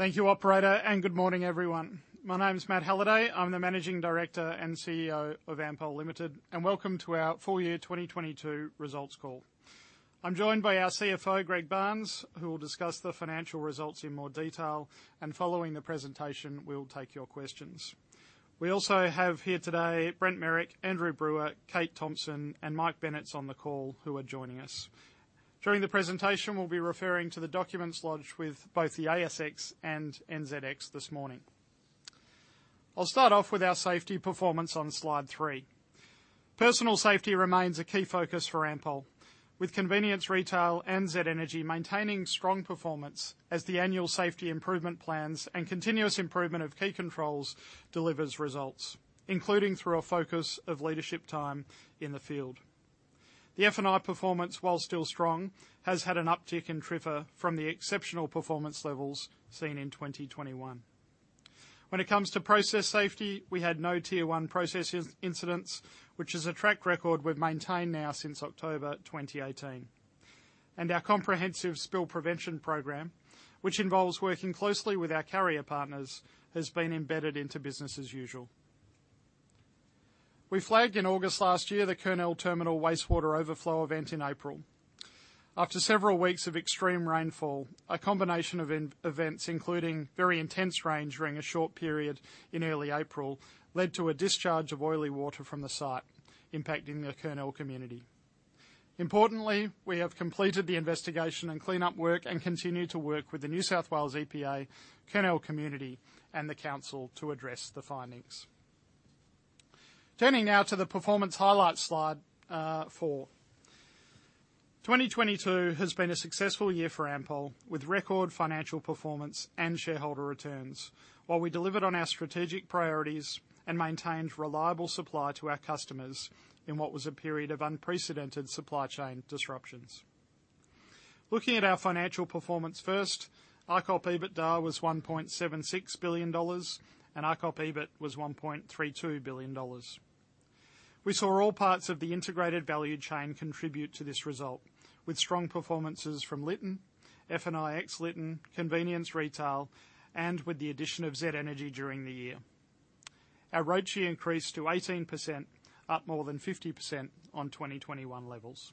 Thank you, operator, and good morning, everyone. My name is Matt Halliday. I'm the Managing Director and CEO of Ampol Limited, and welcome to our full year 2022 results call. I'm joined by our CFO, Greg Barnes, who will discuss the financial results in more detail. Following the presentation, we'll take your questions. We also have here today Brent Merrick, Andrew Brewer, Kate Thomson, and Mike Bennett on the call, who are joining us. During the presentation, we'll be referring to the documents lodged with both the ASX and NZX this morning. I'll start off with our safety performance on slide three. Personal safety remains a key focus for Ampol, with convenience retail and Z Energy maintaining strong performance as the annual safety improvement plans and continuous improvement of key controls delivers results, including through a focus of leadership time in the field. The F&I performance, while still strong, has had an uptick in TRIFR from the exceptional performance levels seen in 2021. When it comes to process safety, we had no Tier one processes incidents, which is a track record we've maintained now since October 2018. Our comprehensive spill prevention program, which involves working closely with our carrier partners, has been embedded into business as usual. We flagged in August last year the Kurnell terminal wastewater overflow event in April. After several weeks of extreme rainfall, a combination of events, including very intense range during a short period in early April, led to a discharge of oily water from the site impacting the Kurnell community. Importantly, we have completed the investigation and cleanup work and continue to work with the New South Wales EPA, Kurnell community, and the council to address the findings. Turning now to the performance highlights, slide four. 2022 has been a successful year for Ampol, with record financial performance and shareholder returns, while we delivered on our strategic priorities and maintained reliable supply to our customers in what was a period of unprecedented supply chain disruptions. Looking at our financial performance first, ARCOP EBITDA was 1.76 billion dollars and ARCOP EBIT was 1.32 billion dollars. We saw all parts of the integrated value chain contribute to this result with strong performances from Lytton, F&I ex-Lytton, Convenience Retail, and with the addition of Z Energy during the year. Our ROCE increased to 18%, up more than 50% on 2021 levels.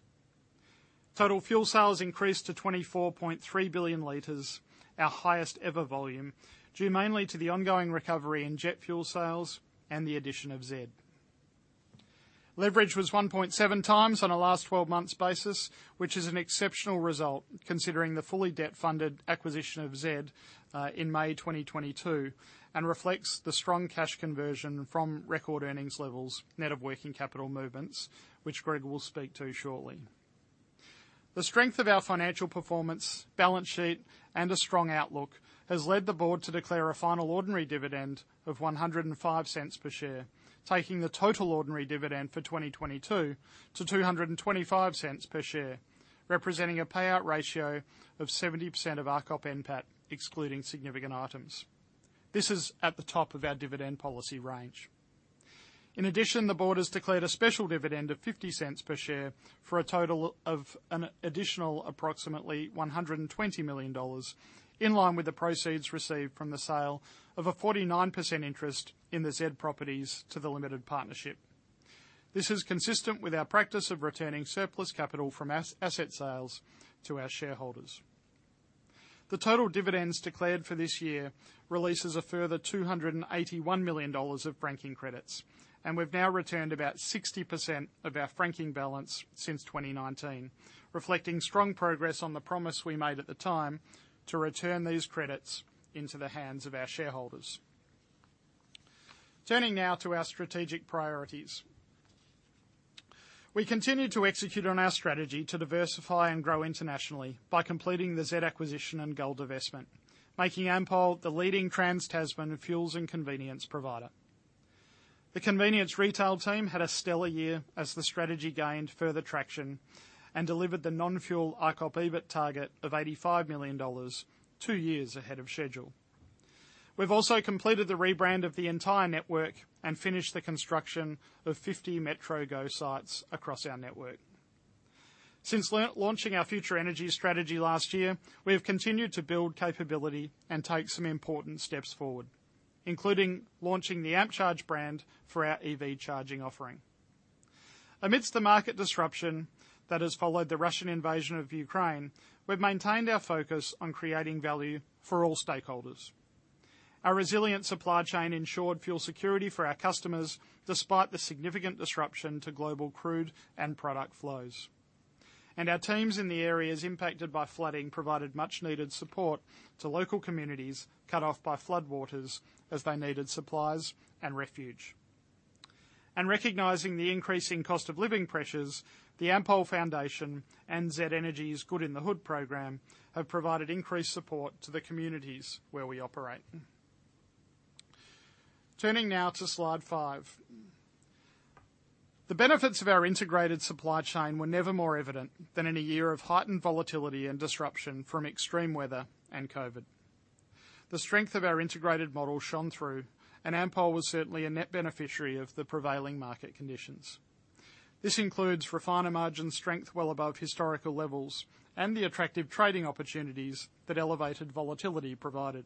Total fuel sales increased to 24.3 billion liters, our highest ever volume, due mainly to the ongoing recovery in jet fuel sales and the addition of Z. Leverage was 1.7 times on a last 12 months basis, which is an exceptional result considering the fully debt-funded acquisition of Z in May 2022 and reflects the strong cash conversion from record earnings levels net of working capital movements, which Greg will speak to shortly. The strength of our financial performance, balance sheet, and a strong outlook has led the board to declare a final ordinary dividend of 1.05 per share, taking the total ordinary dividend for 2022 to 2.25 per share, representing a payout ratio of 70% of ARCOP NPAT, excluding significant items. This is at the top of our dividend policy range. The board has declared a special dividend of 0.50 per share for a total of an additional approximately $120 million, in line with the proceeds received from the sale of a 49% interest in the Z properties to the limited partnership. This is consistent with our practice of returning surplus capital from as-asset sales to our shareholders. The total dividends declared for this year releases a further $281 million of franking credits, we've now returned about 60% of our franking balance since 2019, reflecting strong progress on the promise we made at the time to return these credits into the hands of our shareholders. Turning now to our strategic priorities. We continued to execute on our strategy to diversify and grow internationally by completing the Z acquisition and Gull investment, making Ampol the leading trans-Tasman fuels and convenience provider. The convenience retail team had a stellar year as the strategy gained further traction and delivered the non-fuel ARCOP EBIT target of 85 million dollars two years ahead of schedule. We've also completed the rebrand of the entire network and finished the construction of 50 MetroGo sites across our network. Since launching our future energy strategy last year, we have continued to build capability and take some important steps forward, including launching the AmpCharge brand for our EV charging offering. Amidst the market disruption that has followed the Russian invasion of Ukraine, we've maintained our focus on creating value for all stakeholders. Our resilient supply chain ensured fuel security for our customers despite the significant disruption to global crude and product flows. Our teams in the areas impacted by flooding provided much-needed support to local communities cut off by floodwaters as they needed supplies and refuge. Recognizing the increasing cost of living pressures, the Ampol Foundation and Z Energy's Good in the Hood program have provided increased support to the communities where we operate. Turning now to slide five. The benefits of our integrated supply chain were never more evident than in a year of heightened volatility and disruption from extreme weather and COVID. The strength of our integrated model shone through, and Ampol was certainly a net beneficiary of the prevailing market conditions. This includes refiner margin strength well above historical levels and the attractive trading opportunities that elevated volatility provided.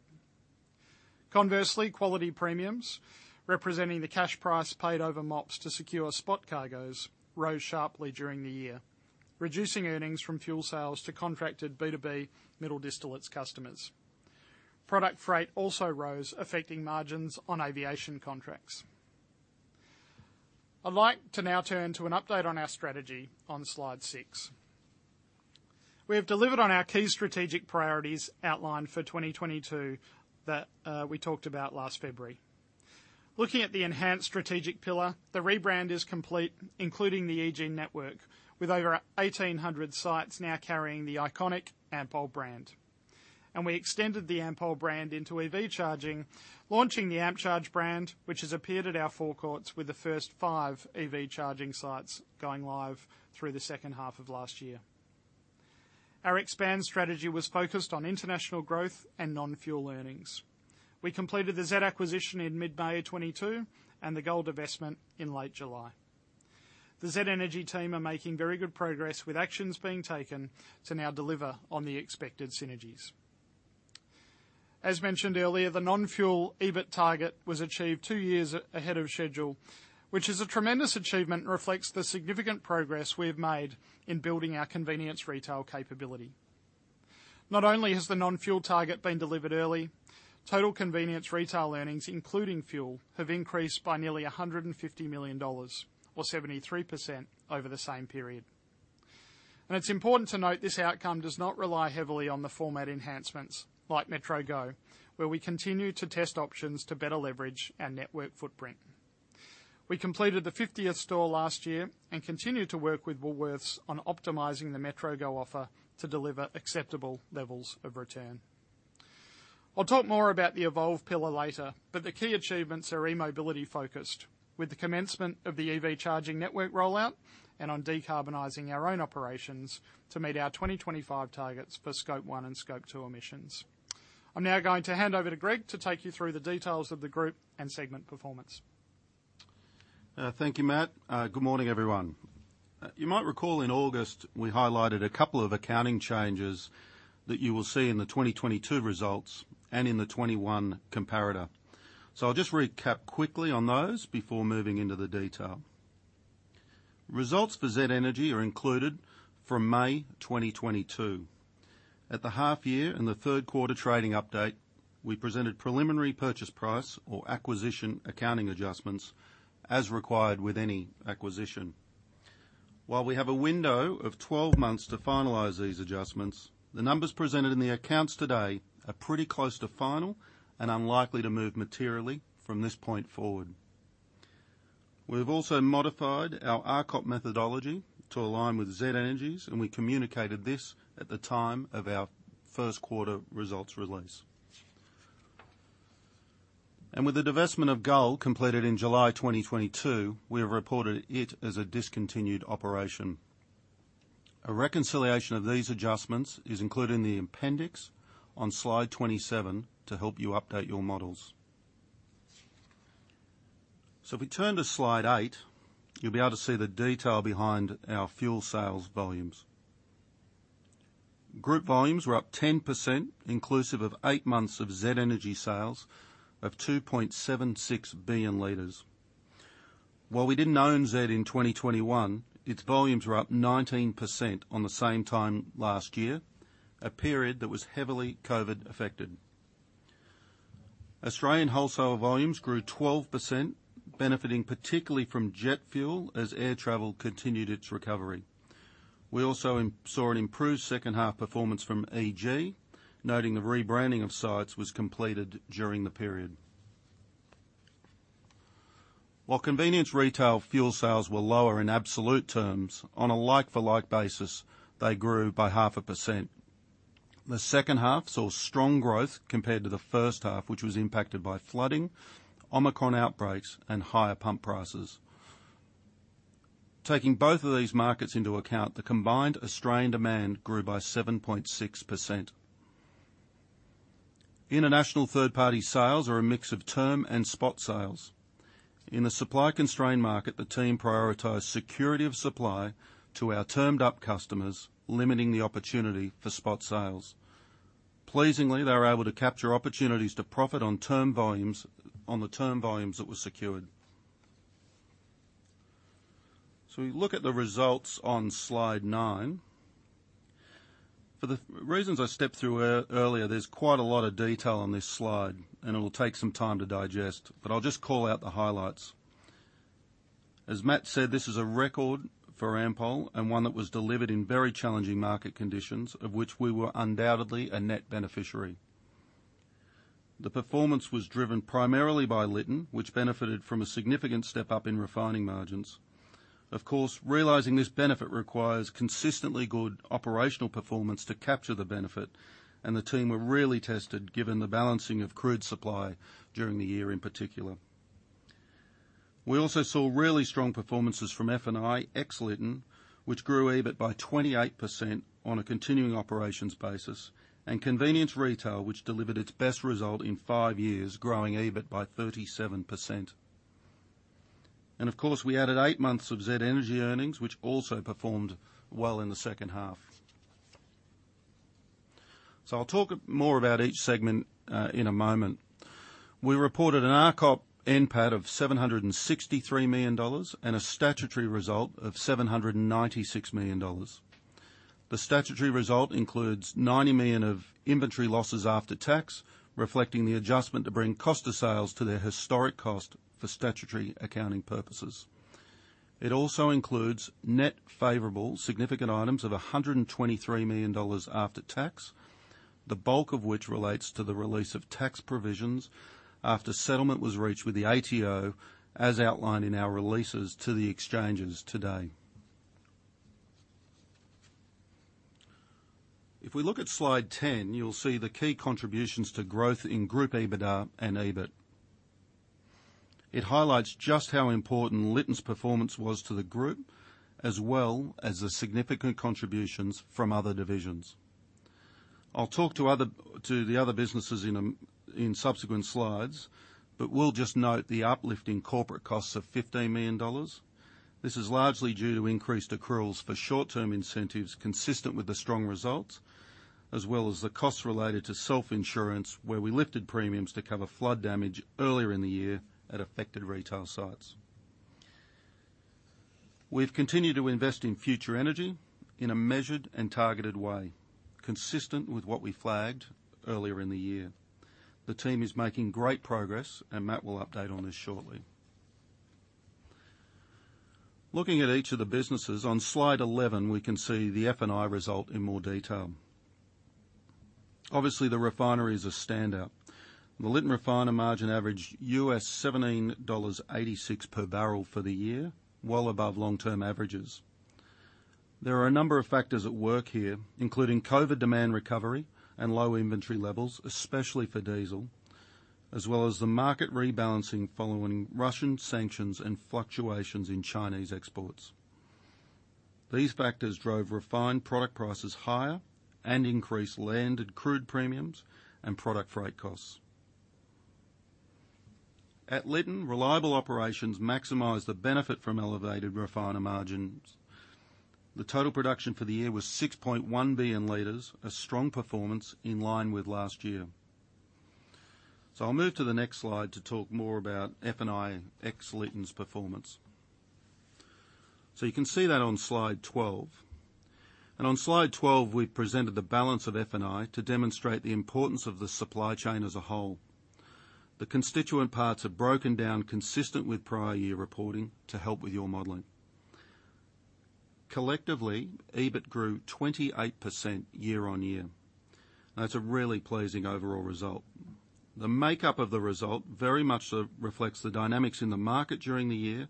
Conversely, quality premiums, representing the cash price paid over MOPS to secure spot cargoes, rose sharply during the year, reducing earnings from fuel sales to contracted B2B middle distillates customers. Product freight also rose, affecting margins on aviation contracts. I'd like to now turn to an update on our strategy on slide six. We have delivered on our key strategic priorities outlined for 2022 that we talked about last February. Looking at the enhanced strategic pillar, the rebrand is complete, including the EG network, with over 1,800 sites now carrying the iconic Ampol brand. We extended the Ampol brand into EV charging, launching the AmpCharge brand, which has appeared at our forecourts with the first five EV charging sites going live through the second half of last year. Our expand strategy was focused on international growth and non-fuel earnings. We completed the Z acquisition in mid-May of 2022 and the Gull divestment in late July. The Z Energy team are making very good progress, with actions being taken to now deliver on the expected synergies. As mentioned earlier, the non-fuel EBIT target was achieved two years ahead of schedule, which is a tremendous achievement, and reflects the significant progress we have made in building our convenience retail capability. Not only has the non-fuel target been delivered early, total convenience retail earnings, including fuel, have increased by nearly 150 million dollars, or 73%, over the same period. It's important to note this outcome does not rely heavily on the format enhancements like MetroGo, where we continue to test options to better leverage our network footprint. We completed the 50th store last year and continue to work with Woolworths on optimizing the MetroGo offer to deliver acceptable levels of return. I'll talk more about the evolve pillar later, but the key achievements are e-mobility focused, with the commencement of the EV charging network rollout and on decarbonizing our own operations to meet our 2025 targets for Scope one and Scope two emissions. I'm now going to hand over to Greg to take you through the details of the group and segment performance. Thank you, Matt. Good morning, everyone. You might recall in August, we highlighted a couple of accounting changes that you will see in the 2022 results and in the 2021 comparator. I'll just recap quickly on those before moving into the detail. Results for Z Energy are included from May 2022. At the half year and the third quarter trading update, we presented preliminary purchase price or acquisition accounting adjustments as required with any acquisition. While we have a window of 12 months to finalize these adjustments, the numbers presented in the accounts today are pretty close to final and unlikely to move materially from this point forward. We have also modified our ARCOP methodology to align with Z Energy's, and we communicated this at the time of our first quarter results release. With the divestment of Gull completed in July 2022, we have reported it as a discontinued operation. A reconciliation of these adjustments is included in the appendix on slide 27 to help you update your models. If we turn to slide eight, you'll be able to see the detail behind our fuel sales volumes. Group volumes were up 10%, inclusive of eight months of Z Energy sales of 2.76 billion liters. While we didn't own Z in 2021, its volumes were up 19% on the same time last year, a period that was heavily COVID affected. Australian wholesaler volumes grew 12%, benefiting particularly from jet fuel as air travel continued its recovery. We also saw an improved second half performance from EG, noting the rebranding of sites was completed during the period. While convenience retail fuel sales were lower in absolute terms, on a like-for-like basis, they grew by 0.5%. The second half saw strong growth compared to the first half, which was impacted by flooding, Omicron outbreaks, and higher pump prices. Taking both of these markets into account, the combined Australian demand grew by 7.6%. International third-party sales are a mix of term and spot sales. In a supply constrained market, the team prioritized security of supply to our termed up customers, limiting the opportunity for spot sales. Pleasingly, they were able to capture opportunities to profit on the term volumes that were secured. We look at the results on Slide 9. For the reasons I stepped through earlier, there's quite a lot of detail on this slide, and it'll take some time to digest, but I'll just call out the highlights. As Matt said, this is a record for Ampol, and one that was delivered in very challenging market conditions, of which we were undoubtedly a net beneficiary. The performance was driven primarily by Lytton, which benefited from a significant step up in refining margins. Of course, realizing this benefit requires consistently good operational performance to capture the benefit, and the team were really tested given the balancing of crude supply during the year in particular. We also saw really strong performances from F&I ex Lytton, which grew EBIT by 28% on a continuing operations basis, and Convenience Retail, which delivered its best result in five years, growing EBIT by 37%. Of course, we added eight months of Z Energy earnings, which also performed well in the second half. I'll talk more about each segment in a moment. We reported an ARCOP NPAT of $763 million and a statutory result of $796 million. The statutory result includes $90 million of inventory losses after tax, reflecting the adjustment to bring cost of sales to their historic cost for statutory accounting purposes. It also includes net favorable significant items of $123 million after tax, the bulk of which relates to the release of tax provisions after settlement was reached with the ATO, as outlined in our releases to the exchanges today. If we look at slide 10, you'll see the key contributions to growth in group EBITDA and EBIT. It highlights just how important Lytton's performance was to the group, as well as the significant contributions from other divisions. I'll talk to the other businesses in subsequent slides. We'll just note the uplift in corporate costs of 15 million dollars. This is largely due to increased accruals for short-term incentives consistent with the strong results, as well as the costs related to self-insurance, where we lifted premiums to cover flood damage earlier in the year at affected retail sites. We've continued to invest in future energy in a measured and targeted way, consistent with what we flagged earlier in the year. The team is making great progress. Matt will update on this shortly. Looking at each of the businesses on slide 11, we can see the F&I result in more detail. Obviously, the refinery is a standout. The Lytton refiner margin averaged US $17.86 per barrel for the year, well above long-term averages. There are a number of factors at work here, including COVID demand recovery and low inventory levels, especially for diesel, well as the market rebalancing following Russian sanctions and fluctuations in Chinese exports. These factors drove refined product prices higher and increased landed crude premiums and product freight costs. At Lytton, reliable operations maximized the benefit from elevated refiner margins. The total production for the year was 6.1 billion liters, a strong performance in line with last year. I'll move to the next slide to talk more about F&I ex-Lytton's performance. You can see that on slide 12. On slide 12, we've presented the balance of F&I to demonstrate the importance of the supply chain as a whole. The constituent parts are broken down consistent with prior year reporting to help with your modeling. Collectively, EBIT grew 28% year-over-year. That's a really pleasing overall result. The makeup of the result very much so reflects the dynamics in the market during the year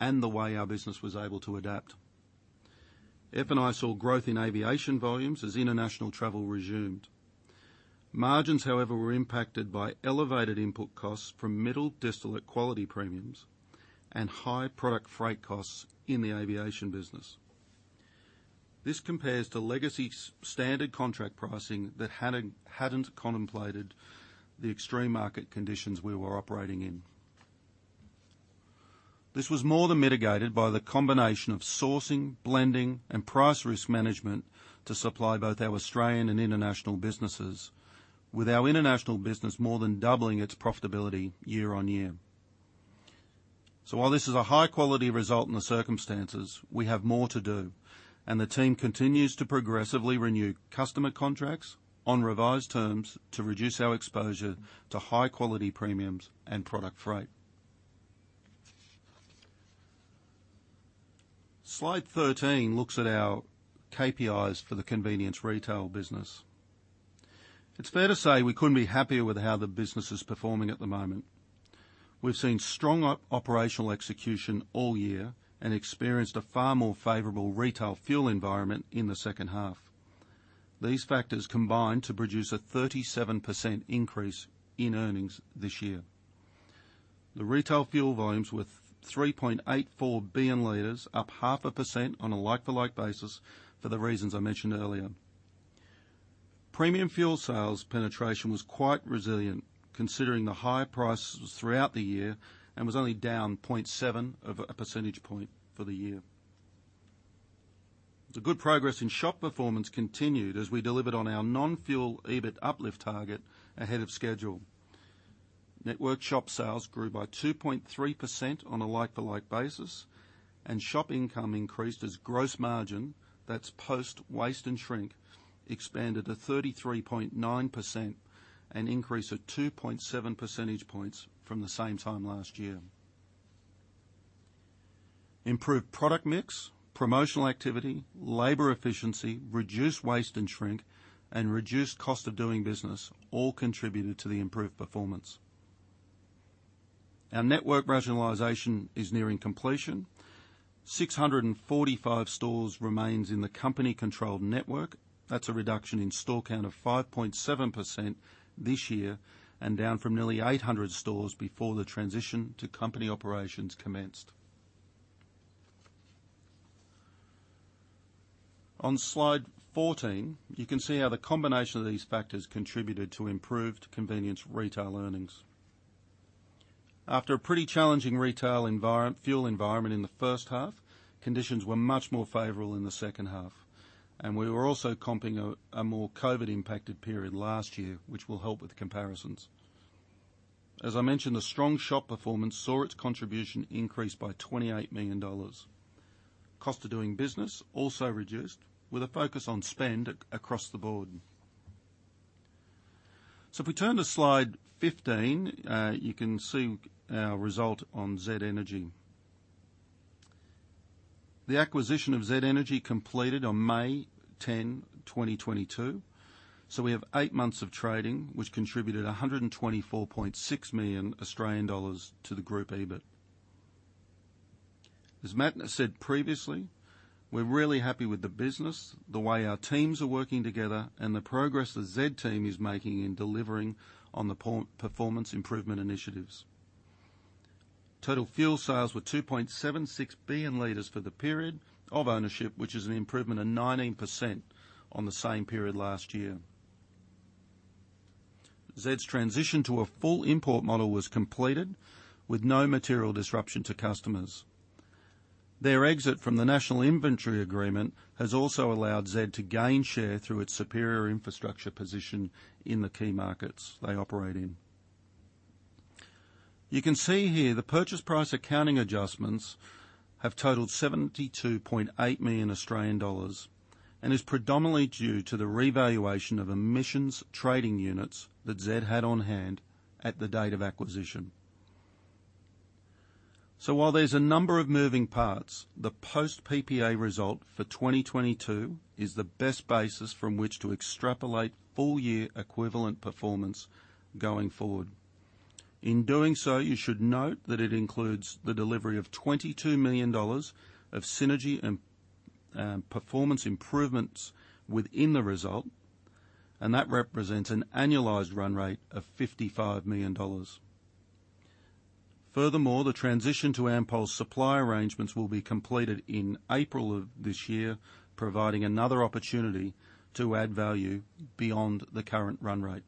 and the way our business was able to adapt. F&I saw growth in aviation volumes as international travel resumed. Margins, however, were impacted by elevated input costs from middle distillate quality premiums and high product freight costs in the aviation business. This compares to legacy standard contract pricing that hadn't contemplated the extreme market conditions we were operating in. This was more than mitigated by the combination of sourcing, blending, and price risk management to supply both our Australian and international businesses. With our international business more than doubling its profitability year-on-year. While this is a high-quality result in the circumstances, we have more to do, and the team continues to progressively renew customer contracts on revised terms to reduce our exposure to high quality premiums and product freight. Slide 13 looks at our KPIs for the convenience retail business. It's fair to say we couldn't be happier with how the business is performing at the moment. We've seen strong operational execution all year and experienced a far more favorable retail fuel environment in the second half. These factors combined to produce a 37% increase in earnings this year. The retail fuel volumes were 3.84 billion liters, up 0.5% on a like-to-like basis for the reasons I mentioned earlier. Premium fuel sales penetration was quite resilient, considering the high prices throughout the year and was only down 0.7 of a percentage point for the year. The good progress in shop performance continued as we delivered on our non-fuel EBIT uplift target ahead of schedule. Network shop sales grew by 2.3% on a like-to-like basis, and shop income increased as gross margin, that's post-waste and shrink, expanded to 33.9%, an increase of 2.7 percentage points from the same time last year. Improved product mix, promotional activity, labor efficiency, reduced waste and shrink, and reduced cost of doing business all contributed to the improved performance. Our network rationalization is nearing completion. 645 stores remains in the company-controlled network. That's a reduction in store count of 5.7% this year and down from nearly 800 stores before the transition to company operations commenced. On slide 14, you can see how the combination of these factors contributed to improved convenience retail earnings. After a pretty challenging retail environment, fuel environment in the first half, conditions were much more favorable in the second half. We were also comping a more COVID impacted period last year, which will help with comparisons. As I mentioned, the strong shop performance saw its contribution increase by 28 million dollars. Cost of doing business also reduced, with a focus on spend across the board. If we turn to slide 15, you can see our result on Z Energy. The acquisition of Z Energy completed on May 10, 2022, we have eight months of trading, which contributed 124.6 million Australian dollars to the group EBIT. As Matt has said previously, we're really happy with the business, the way our teams are working together, and the progress the Z team is making in delivering on the performance improvement initiatives. Total fuel sales were 2.76 billion liters for the period of ownership, which is an improvement of 19% on the same period last year. Z's transition to a full import model was completed with no material disruption to customers. Their exit from the National Inventory Agreement has also allowed Z to gain share through its superior infrastructure position in the key markets they operate in. You can see here the purchase price accounting adjustments have totaled 72.8 million Australian dollars and is predominantly due to the revaluation of Emissions Trading Units that Z had on hand at the date of acquisition. While there's a number of moving parts, the post PPA result for 2022 is the best basis from which to extrapolate full year equivalent performance going forward. In doing so, you should note that it includes the delivery of 22 million dollars of synergy and performance improvements within the result, and that represents an annualized run rate of 55 million dollars. Furthermore, the transition to Ampol's supply arrangements will be completed in April of this year, providing another opportunity to add value beyond the current run rate.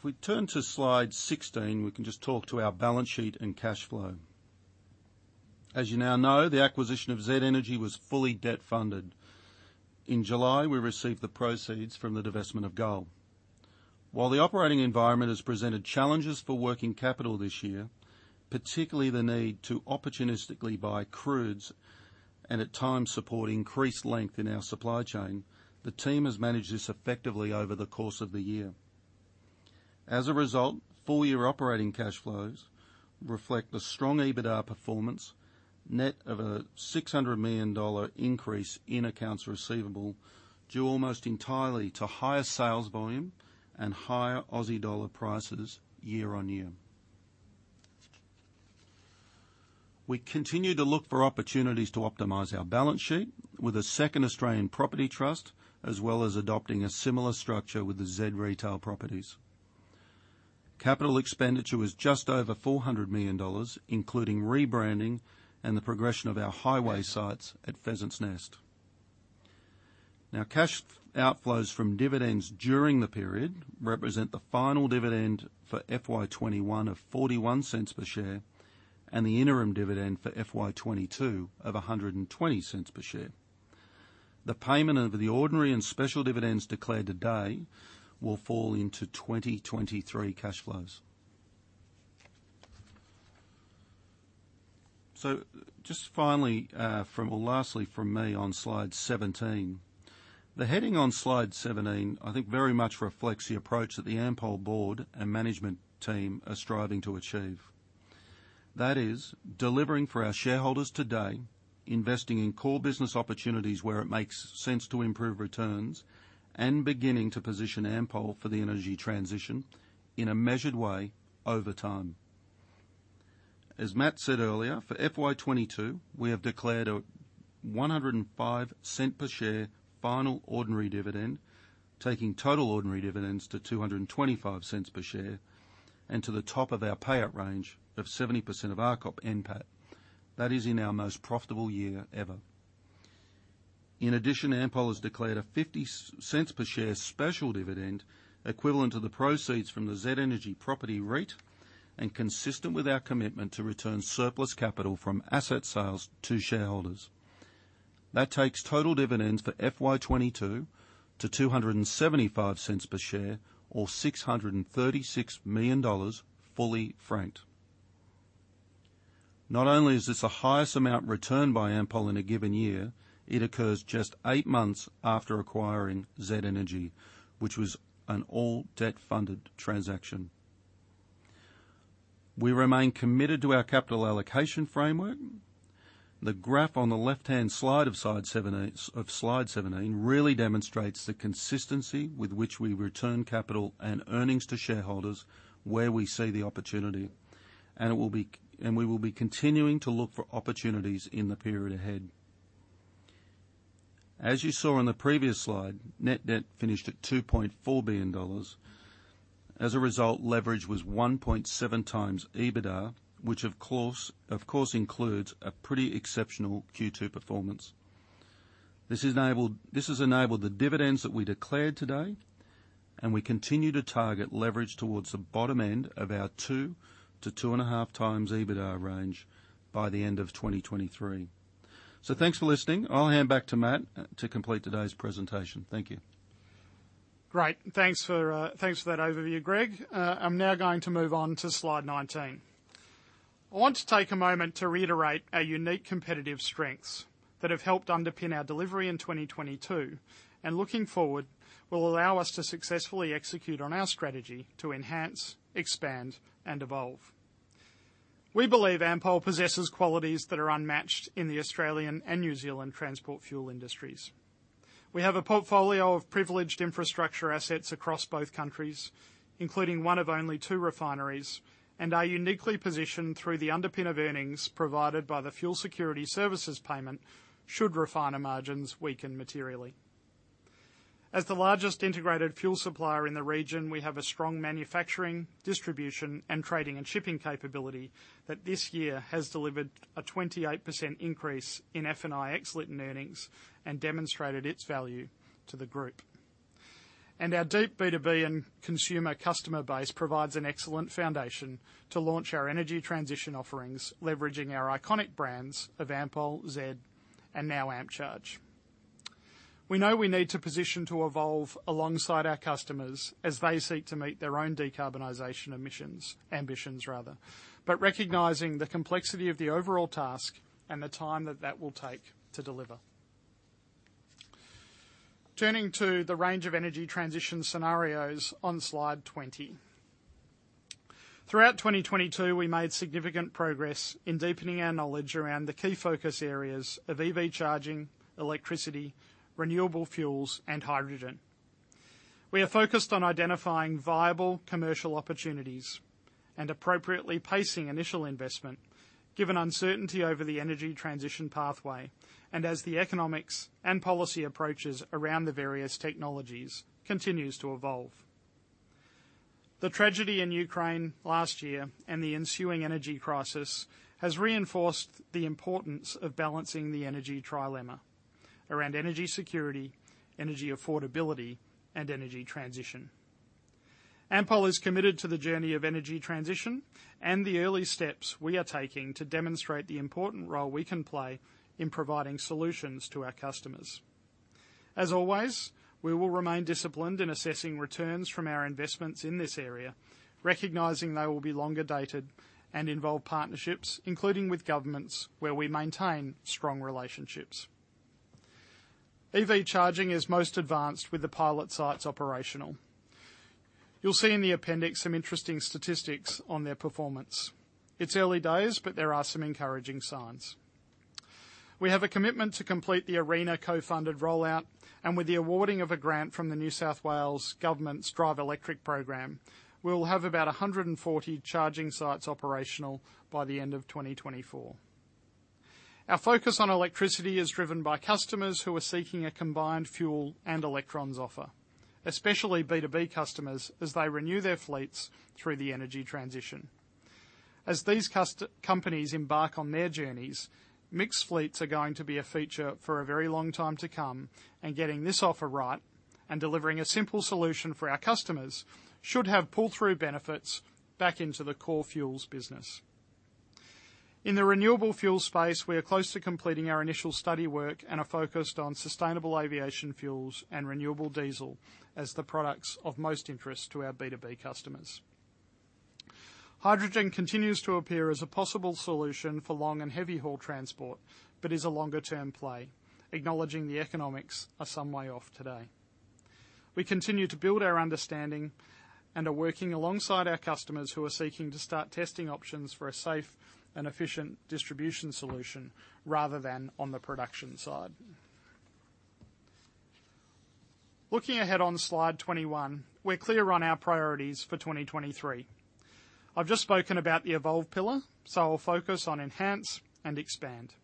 If we turn to slide 16, we can just talk to our balance sheet and cash flow. As you now know, the acquisition of Z Energy was fully debt funded. In July, we received the proceeds from the divestment of Gull. While the operating environment has presented challenges for working capital this year, particularly the need to opportunistically buy crudes and at times support increased length in our supply chain, the team has managed this effectively over the course of the year. As a result, full year operating cash flows reflect the strong EBITA performance, net of an 600 million dollar increase in accounts receivable due almost entirely to higher sales volume and higher Aussie dollar prices year-over-year. We continue to look for opportunities to optimize our balance sheet with a second Australian property trust, as well as adopting a similar structure with the Z retail properties. Capital expenditure was just over 400 million dollars, including rebranding and the progression of our highway sites at Pheasants Nest. Now, cash outflows from dividends during the period represent the final dividend for FY 2021 of 0.41 per share, and the interim dividend for FY 2022 of 1.20 per share. The payment of the ordinary and special dividends declared today will fall into 2023 cash flows. Just lastly from me on slide 17. The heading on slide 17, I think, very much reflects the approach that the Ampol board and management team are striving to achieve. That is, delivering for our shareholders today, investing in core business opportunities where it makes sense to improve returns, and beginning to position Ampol for the energy transition in a measured way over time. As Matt Halliday said earlier, for FY 2022, we have declared an 1.05 per share final ordinary dividend, taking total ordinary dividends to 2.25 per share and to the top of our payout range of 70% of RCOP NPAT. That is in our most profitable year ever. Ampol has declared an 0.50 per share special dividend equivalent to the proceeds from the Z Energy property REIT and consistent with our commitment to return surplus capital from asset sales to shareholders. Total dividends for FY 2022 to AUD 2.75 per share or 636 million dollars fully franked. Not only is this the highest amount returned by Ampol in a given year, it occurs just 8 months after acquiring Z Energy, which was an all debt-funded transaction. We remain committed to our capital allocation framework. The graph on the left-hand side of slide 17 really demonstrates the consistency with which we return capital and earnings to shareholders where we see the opportunity, and we will be continuing to look for opportunities in the period ahead. As you saw in the previous slide, net debt finished at 2.4 billion dollars. As a result, leverage was 1.7 times EBITA, which of course includes a pretty exceptional Q2 performance. This has enabled the dividends that we declared today, and we continue to target leverage towards the bottom end of our 2-2.5 times EBITDA range by the end of 2023. Thanks for listening. I'll hand back to Matt to complete today's presentation. Thank you. Great. Thanks for thanks for that overview, Greg. I'm now going to move on to slide 19. I want to take a moment to reiterate our unique competitive strengths that have helped underpin our delivery in 2022, and looking forward, will allow us to successfully execute on our strategy to enhance, expand, and evolve. We believe Ampol possesses qualities that are unmatched in the Australian and New Zealand transport fuel industries. We have a portfolio of privileged infrastructure assets across both countries, including one of only two refineries, and are uniquely positioned through the underpin of earnings provided by the Fuel Security Services Payment should refiner margins weaken materially. As the largest integrated fuel supplier in the region, we have a strong manufacturing, distribution, and trading and shipping capability that this year has delivered a 28% increase in F&I ex-Lytton earnings and demonstrated its value to the group. Our deep B2B and consumer customer base provides an excellent foundation to launch our energy transition offerings, leveraging our iconic brands of Ampol, Z, and now AmpCharge. We know we need to position to evolve alongside our customers as they seek to meet their own decarbonization emissions, ambitions rather, but recognizing the complexity of the overall task and the time that will take to deliver. Turning to the range of energy transition scenarios on slide 20. Throughout 2022, we made significant progress in deepening our knowledge around the key focus areas of EV charging, electricity, renewable fuels, and hydrogen. We are focused on identifying viable commercial opportunities and appropriately pacing initial investment given uncertainty over the energy transition pathway and as the economics and policy approaches around the various technologies continues to evolve. The tragedy in Ukraine last year and the ensuing energy crisis has reinforced the importance of balancing the energy trilemma around energy security, energy affordability, and energy transition. Ampol is committed to the journey of energy transition and the early steps we are taking to demonstrate the important role we can play in providing solutions to our customers. As always, we will remain disciplined in assessing returns from our investments in this area, recognizing they will be longer dated and involve partnerships, including with governments where we maintain strong relationships. EV charging is most advanced with the pilot sites operational. You'll see in the appendix some interesting statistics on their performance. It's early days, but there are some encouraging signs. We have a commitment to complete the ARENA co-funded rollout, and with the awarding of a grant from the New South Wales Government's Drive Electric program, we'll have about 140 charging sites operational by the end of 2024. Our focus on electricity is driven by customers who are seeking a combined fuel and electrons offer, especially B2B customers as they renew their fleets through the energy transition. As these companies embark on their journeys, mixed fleets are going to be a feature for a very long time to come, and getting this offer right and delivering a simple solution for our customers should have pull-through benefits back into the core fuels business. In the renewable fuel space, we are close to completing our initial study work and are focused on sustainable aviation fuels and renewable diesel as the products of most interest to our B2B customers. Hydrogen continues to appear as a possible solution for long and heavy haul transport, but is a longer term play, acknowledging the economics are some way off today. We continue to build our understanding and are working alongside our customers who are seeking to start testing options for a safe and efficient distribution solution rather than on the production side. Looking ahead on slide 21, we're clear on our priorities for 2023. I've just spoken about the evolve pillar, so I'll focus on enhance and expand.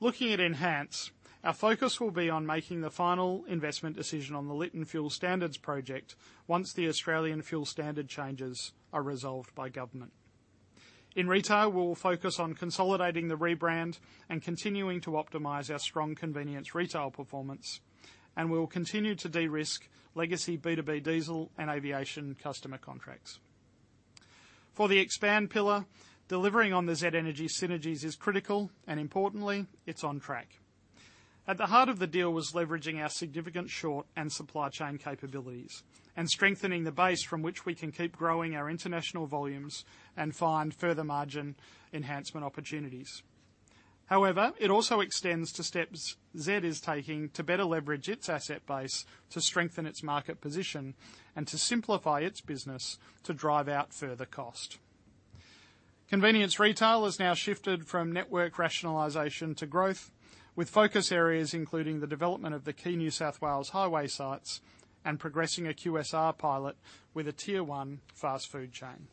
Looking at enhance, our focus will be on making the final investment decision on the Lytton Fuel Standards project once the Australian fuel standard changes are resolved by government. In retail, we'll focus on consolidating the rebrand and continuing to optimize our strong convenience retail performance, and we will continue to de-risk legacy B2B diesel and aviation customer contracts. For the expand pillar, delivering on the Z Energy synergies is critical, and importantly, it's on track. At the heart of the deal was leveraging our significant short and supply chain capabilities and strengthening the base from which we can keep growing our international volumes and find further margin enhancement opportunities. It also extends to steps Z is taking to better leverage its asset base to strengthen its market position and to simplify its business to drive out further cost. Convenience retail has now shifted from network rationalization to growth, with focus areas including the development of the key New South Wales highway sites and progressing a QSR pilot with a Tier 1 fast food chain.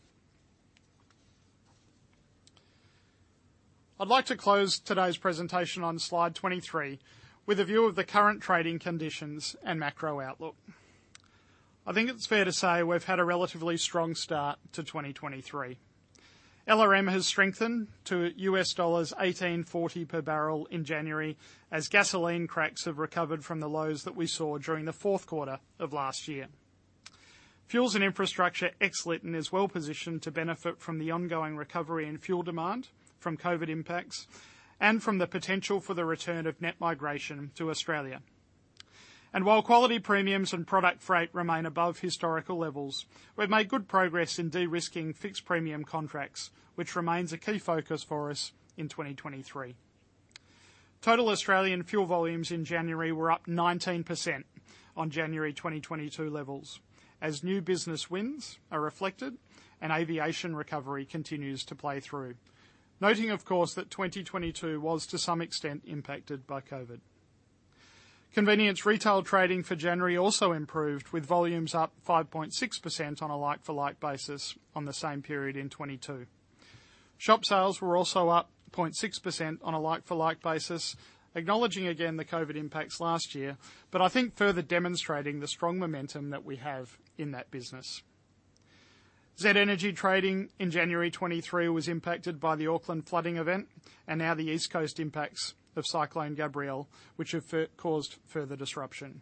I'd like to close today's presentation on slide 23 with a view of the current trading conditions and macro outlook. I think it's fair to say we've had a relatively strong start to 2023. LRM has strengthened to US dollars 18.40 per barrel in January as gasoline cracks have recovered from the lows that we saw during the 4th quarter of last year. Fuels and Infrastructure ex Lytton is well-positioned to benefit from the ongoing recovery in fuel demand from COVID impacts and from the potential for the return of net migration to Australia. While quality premiums and product freight remain above historical levels, we've made good progress in de-risking fixed premium contracts, which remains a key focus for us in 2023. Total Australian fuel volumes in January were up 19% on January 2022 levels as new business wins are reflected and aviation recovery continues to play through. Noting, of course, that 2022 was to some extent impacted by COVID. Convenience retail trading for January also improved, with volumes up 5.6% on a like-for-like basis on the same period in 2022. Shop sales were also up 0.6% on a like-for-like basis, acknowledging again the COVID impacts last year, but I think further demonstrating the strong momentum that we have in that business. Z Energy trading in January 2023 was impacted by the Auckland flooding event and now the East Coast impacts of Cyclone Gabrielle, which have caused further disruption.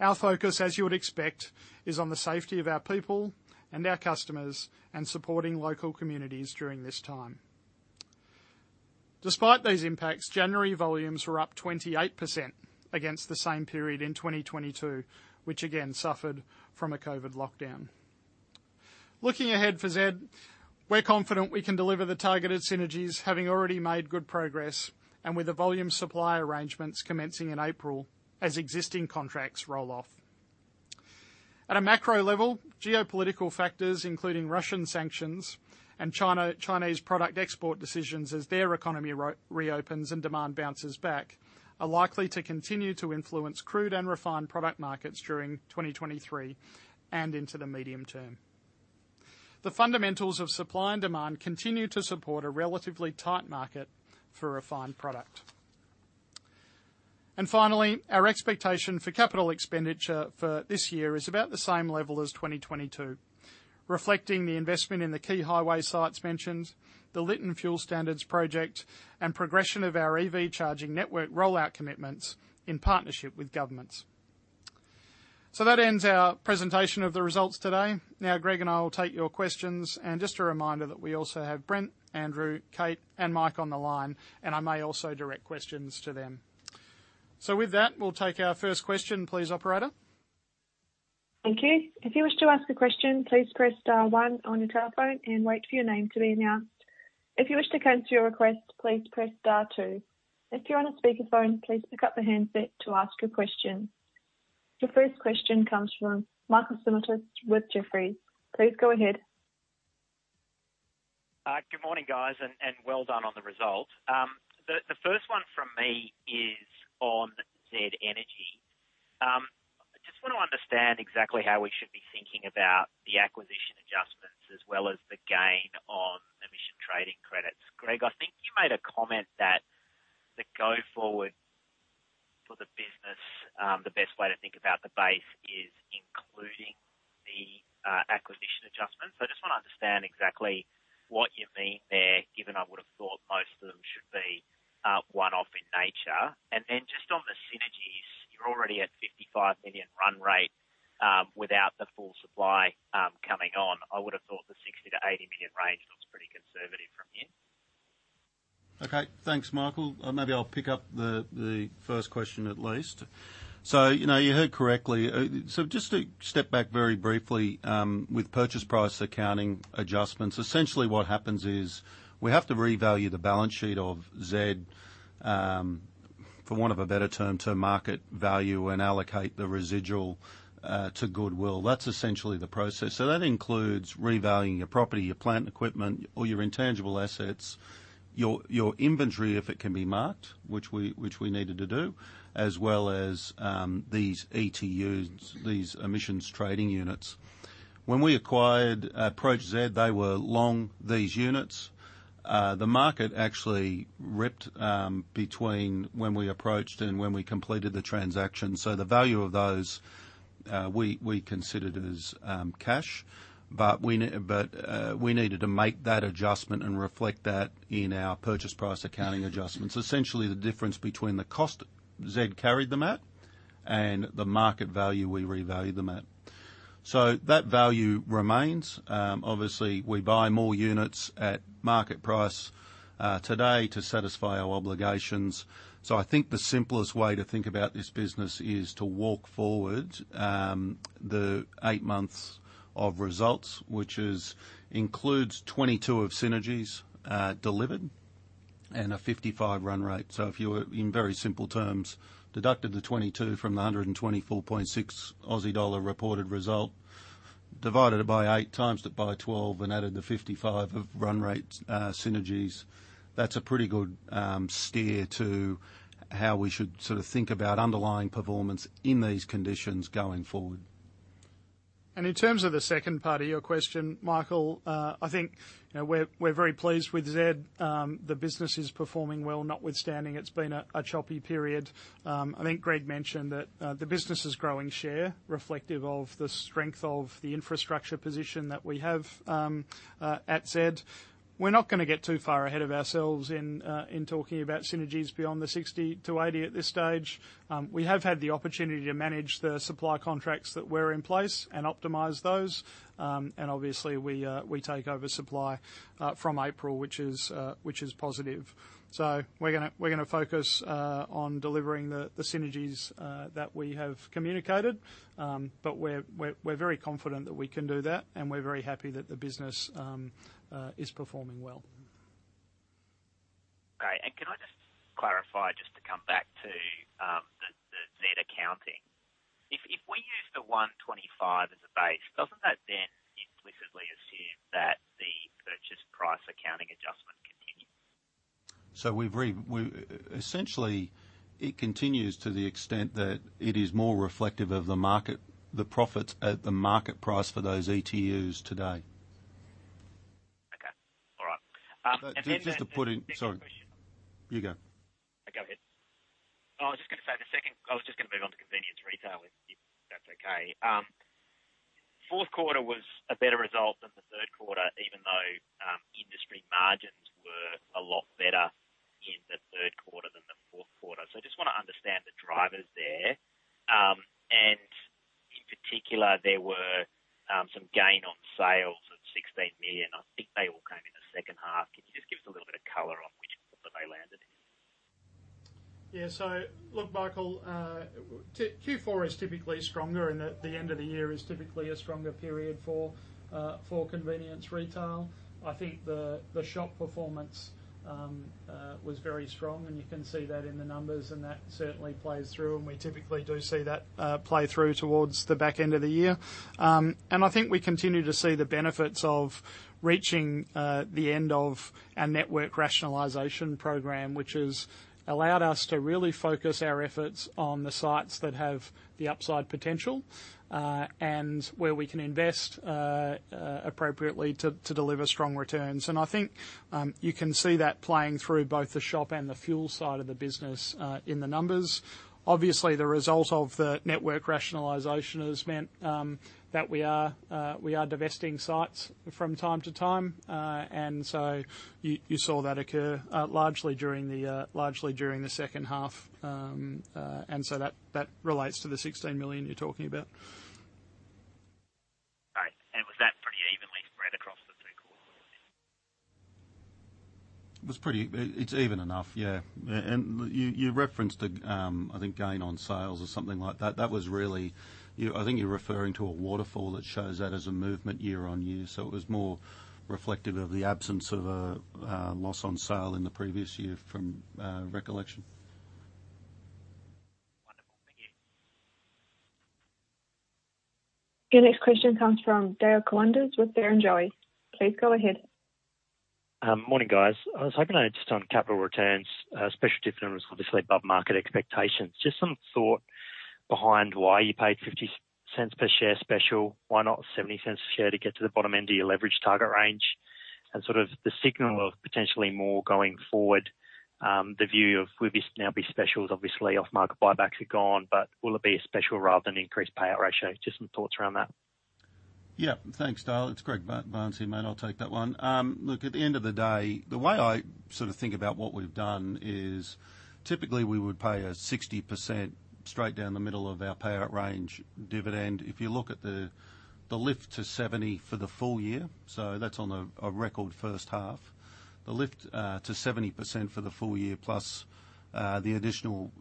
Our focus, as you would expect, is on the safety of our people and our customers and supporting local communities during this time. Despite these impacts, January volumes were up 28% against the same period in 2022, which again suffered from a COVID lockdown. Looking ahead for Z, we're confident we can deliver the targeted synergies, having already made good progress and with the volume supply arrangements commencing in April as existing contracts roll off. At a macro level, geopolitical factors, including Russian sanctions and Chinese product export decisions as their economy reopens and demand bounces back, are likely to continue to influence crude and refined product markets during 2023 and into the medium term. The fundamentals of supply and demand continue to support a relatively tight market for refined product. Finally, our expectation for capital expenditure for this year is about the same level as 2022, reflecting the investment in the key highway sites mentioned, the Lytton Fuel Standards project, and progression of our EV charging network rollout commitments in partnership with governments. That ends our presentation of the results today. Now, Greg and I will take your questions. Just a reminder that we also have Brent, Andrew, Kate, and Mike on the line, and I may also direct questions to them. With that, we'll take our first question, please, operator. Thank you. If you wish to ask a question, please press star one on your telephone and wait for your name to be announced. If you wish to cancel your request, please press star two. If you're on a speakerphone, please pick up the handset to ask your question. The first question comes from Michael Simotas with Jefferies. Please go ahead. Good morning, guys, and well done on the result. The first one from me is on Z Energy. I just want to understand exactly how we should be thinking about the acquisition adjustments as well as the gain on emission trading credits. Greg, I think you made a comment that the go forward for the business, the best way to think about the base is including the acquisition adjustments. I just want to understand exactly what you mean there, given I would have thought most of them should be one-off in nature. Just on the synergies, you're already at 55 million run rate, without the full supply coming on. I would have thought the 60 million-80 million range looks pretty conservative from here. Okay. Thanks, Michael. Maybe I'll pick up the first question at least. You know, you heard correctly. Just to step back very briefly, with purchase price accounting adjustments, essentially what happens is we have to revalue the balance sheet of Z, for want of a better term, to market value and allocate the residual to goodwill. That's essentially the process. That includes revaluing your property, your plant equipment or your intangible assets, your inventory, if it can be marked, which we needed to do, as well as these ETUs, these Emissions Trading Units. When we acquired, approached Z, they were long these units. The market actually ripped between when we approached and when we completed the transaction. The value of those, we considered as cash, but we needed to make that adjustment and reflect that in our purchase price accounting adjustments. Essentially the difference between the cost Z carried them at and the market value we revalued them at. That value remains. Obviously we buy more units at market price today to satisfy our obligations. I think the simplest way to think about this business is to walk forward the eight months of results, which is, includes 22 of synergies delivered and a 55 run rate. If you were, in very simple terms, deducted the 22 from the 124.6 Aussie dollar reported result, divided it by 8, times it by 12, and added the 55 of run rates, synergies, that's a pretty good steer to how we should sort of think about underlying performance in these conditions going forward. In terms of the second part of your question, Michael, I think, you know, we're very pleased with Z. The business is performing well, notwithstanding it's been a choppy period. I think Greg mentioned that the business is growing share reflective of the strength of the infrastructure position that we have at Z. We're not gonna get too far ahead of ourselves in talking about synergies beyond the 60 to 80 at this stage. We have had the opportunity to manage the supply contracts that were in place and optimize those. Obviously we take over supply from April, which is positive. We're gonna focus on delivering the synergies that we have communicated. We're very confident that we can do that, and we're very happy that the business, is performing well. Great. Can I just clarify, just to come back to, the Z accounting. If we use the 125 as a base, doesn't that then implicitly assume that the purchase price accounting adjustment continues? Essentially it continues to the extent that it is more reflective of the market, the profits at the market price for those ETUs today. Okay. All right. Just to put. The second question. Sorry. You go. Go ahead. I was just gonna say I was just gonna move on to convenience retail, if that's okay. Fourth quarter was a better result than the third quarter, even though industry margins were a lot better in the third quarter than the fourth quarter. I just wanna understand the drivers there. In particular, there were some gain on sales of 16 million. I think they all came in the second half. Can you just give us a little bit of color on which quarter they landed in? Look, Michael, Q4 is typically stronger, and the end of the year is typically a stronger period for convenience retail. I think the shop performance was very strong and you can see that in the numbers, and that certainly plays through and we typically do see that play through towards the back end of the year. I think we continue to see the benefits of reaching the end of our network rationalization program, which has allowed us to really focus our efforts on the sites that have the upside potential, and where we can invest appropriately to deliver strong returns. I think you can see that playing through both the shop and the fuel side of the business in the numbers. Obviously, the result of the network rationalization has meant that we are divesting sites from time to time. You saw that occur largely during the second half. That relates to the 16 million you're talking about. Right. Was that pretty evenly spread across the two quarters? It was pretty. It's even enough, yeah. You, you referenced the, I think gain on sales or something like that. That was really. I think you're referring to a waterfall that shows that as a movement year on year, so it was more reflective of the absence of a loss on sale in the previous year from recollection. Wonderful. Thank you. Your next question comes from Dale Koenders with Barrenjoey. Please go ahead. Morning, guys. I was hoping just on capital returns, special dividend was obviously above market expectations. Just some thought behind why you paid 0.50 per share special. Why not 0.70 a share to get to the bottom end of your leverage target range? Sort of the signal of potentially more going forward, the view of will this now be specials, obviously off-market buybacks are gone, but will it be a special rather than increased payout ratio? Just some thoughts around that. Yeah. Thanks, Dale. It's Greg Barnes, mate. I'll take that one. Look, at the end of the day, the way I sort of think about what we've done is typically we would pay a 60% straight down the middle of our payout range dividend. If you look at the lift to 70% for the full year, that's on a record first half. The lift to 70% for the full year plus the additional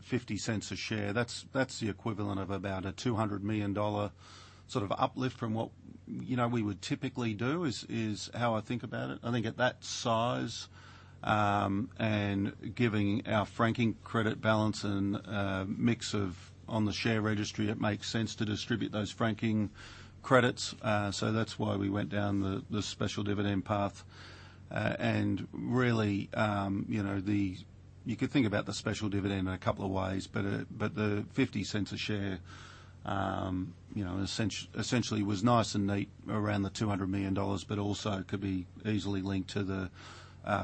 fifty cents a share, that's the equivalent of about an 200 million dollar sort of uplift from what, you know, we would typically do is how I think about it. I think at that size, and giving our franking credit balance and mix of on the share registry, it makes sense to distribute those franking credits. That's why we went down the special dividend path. Really, you know, You could think about the special dividend in a couple of ways, but the 0.50 a share, you know, essentially was nice and neat around the 200 million dollars, but also could be easily linked to the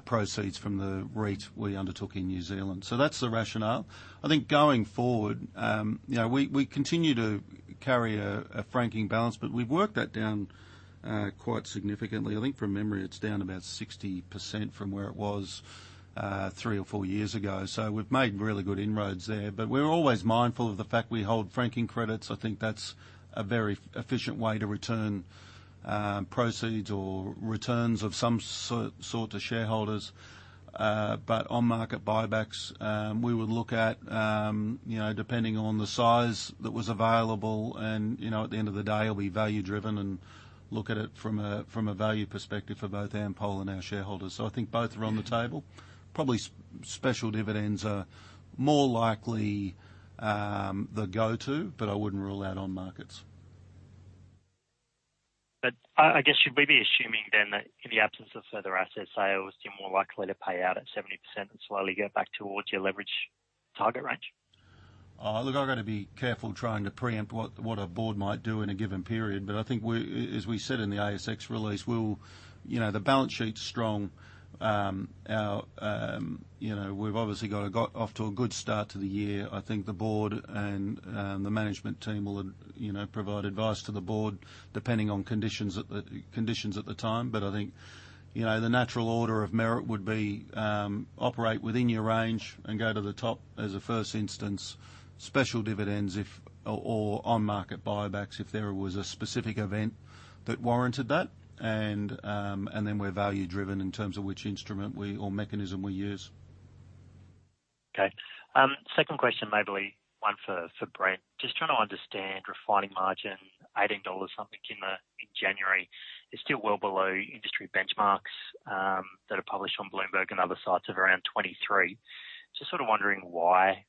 proceeds from the REIT we undertook in New Zealand. That's the rationale. I think going forward, you know, we continue to carry a franking balance, but we've worked that down quite significantly. I think from memory, it's down about 60% from where it was, three or four years ago. We've made really good inroads there. We're always mindful of the fact we hold franking credits. I think that's a very efficient way to return, proceeds or returns of some sort to shareholders. On market buybacks, we would look at, you know, depending on the size that was available and, you know, at the end of the day, it'll be value driven and look at it from a, from a value perspective for both Ampol and our shareholders. I think both are on the table. Probably special dividends are more likely, the go-to, but I wouldn't rule out on markets. I guess should we be assuming then that in the absence of further asset sales, you're more likely to pay out at 70% and slowly get back towards your leverage target range? Look, I've gotta be careful trying to preempt what a board might do in a given period. I think as we said in the ASX release, we'll, you know, the balance sheet's strong. Our, you know, we've obviously got off to a good start to the year. I think the board and the management team will, you know, provide advice to the board depending on conditions at the time. I think, you know, the natural order of merit would be, operate within your range and go to the top as a first instance. Special dividends if or on market buybacks if there was a specific event that warranted that. Then we're value driven in terms of which instrument we, or mechanism we use. Second question maybe be one for Brent. Just trying to understand refining margin, AUD 18 something in January is still well below industry benchmarks that are published on Bloomberg and other sites of around 23. Just sort of wondering why,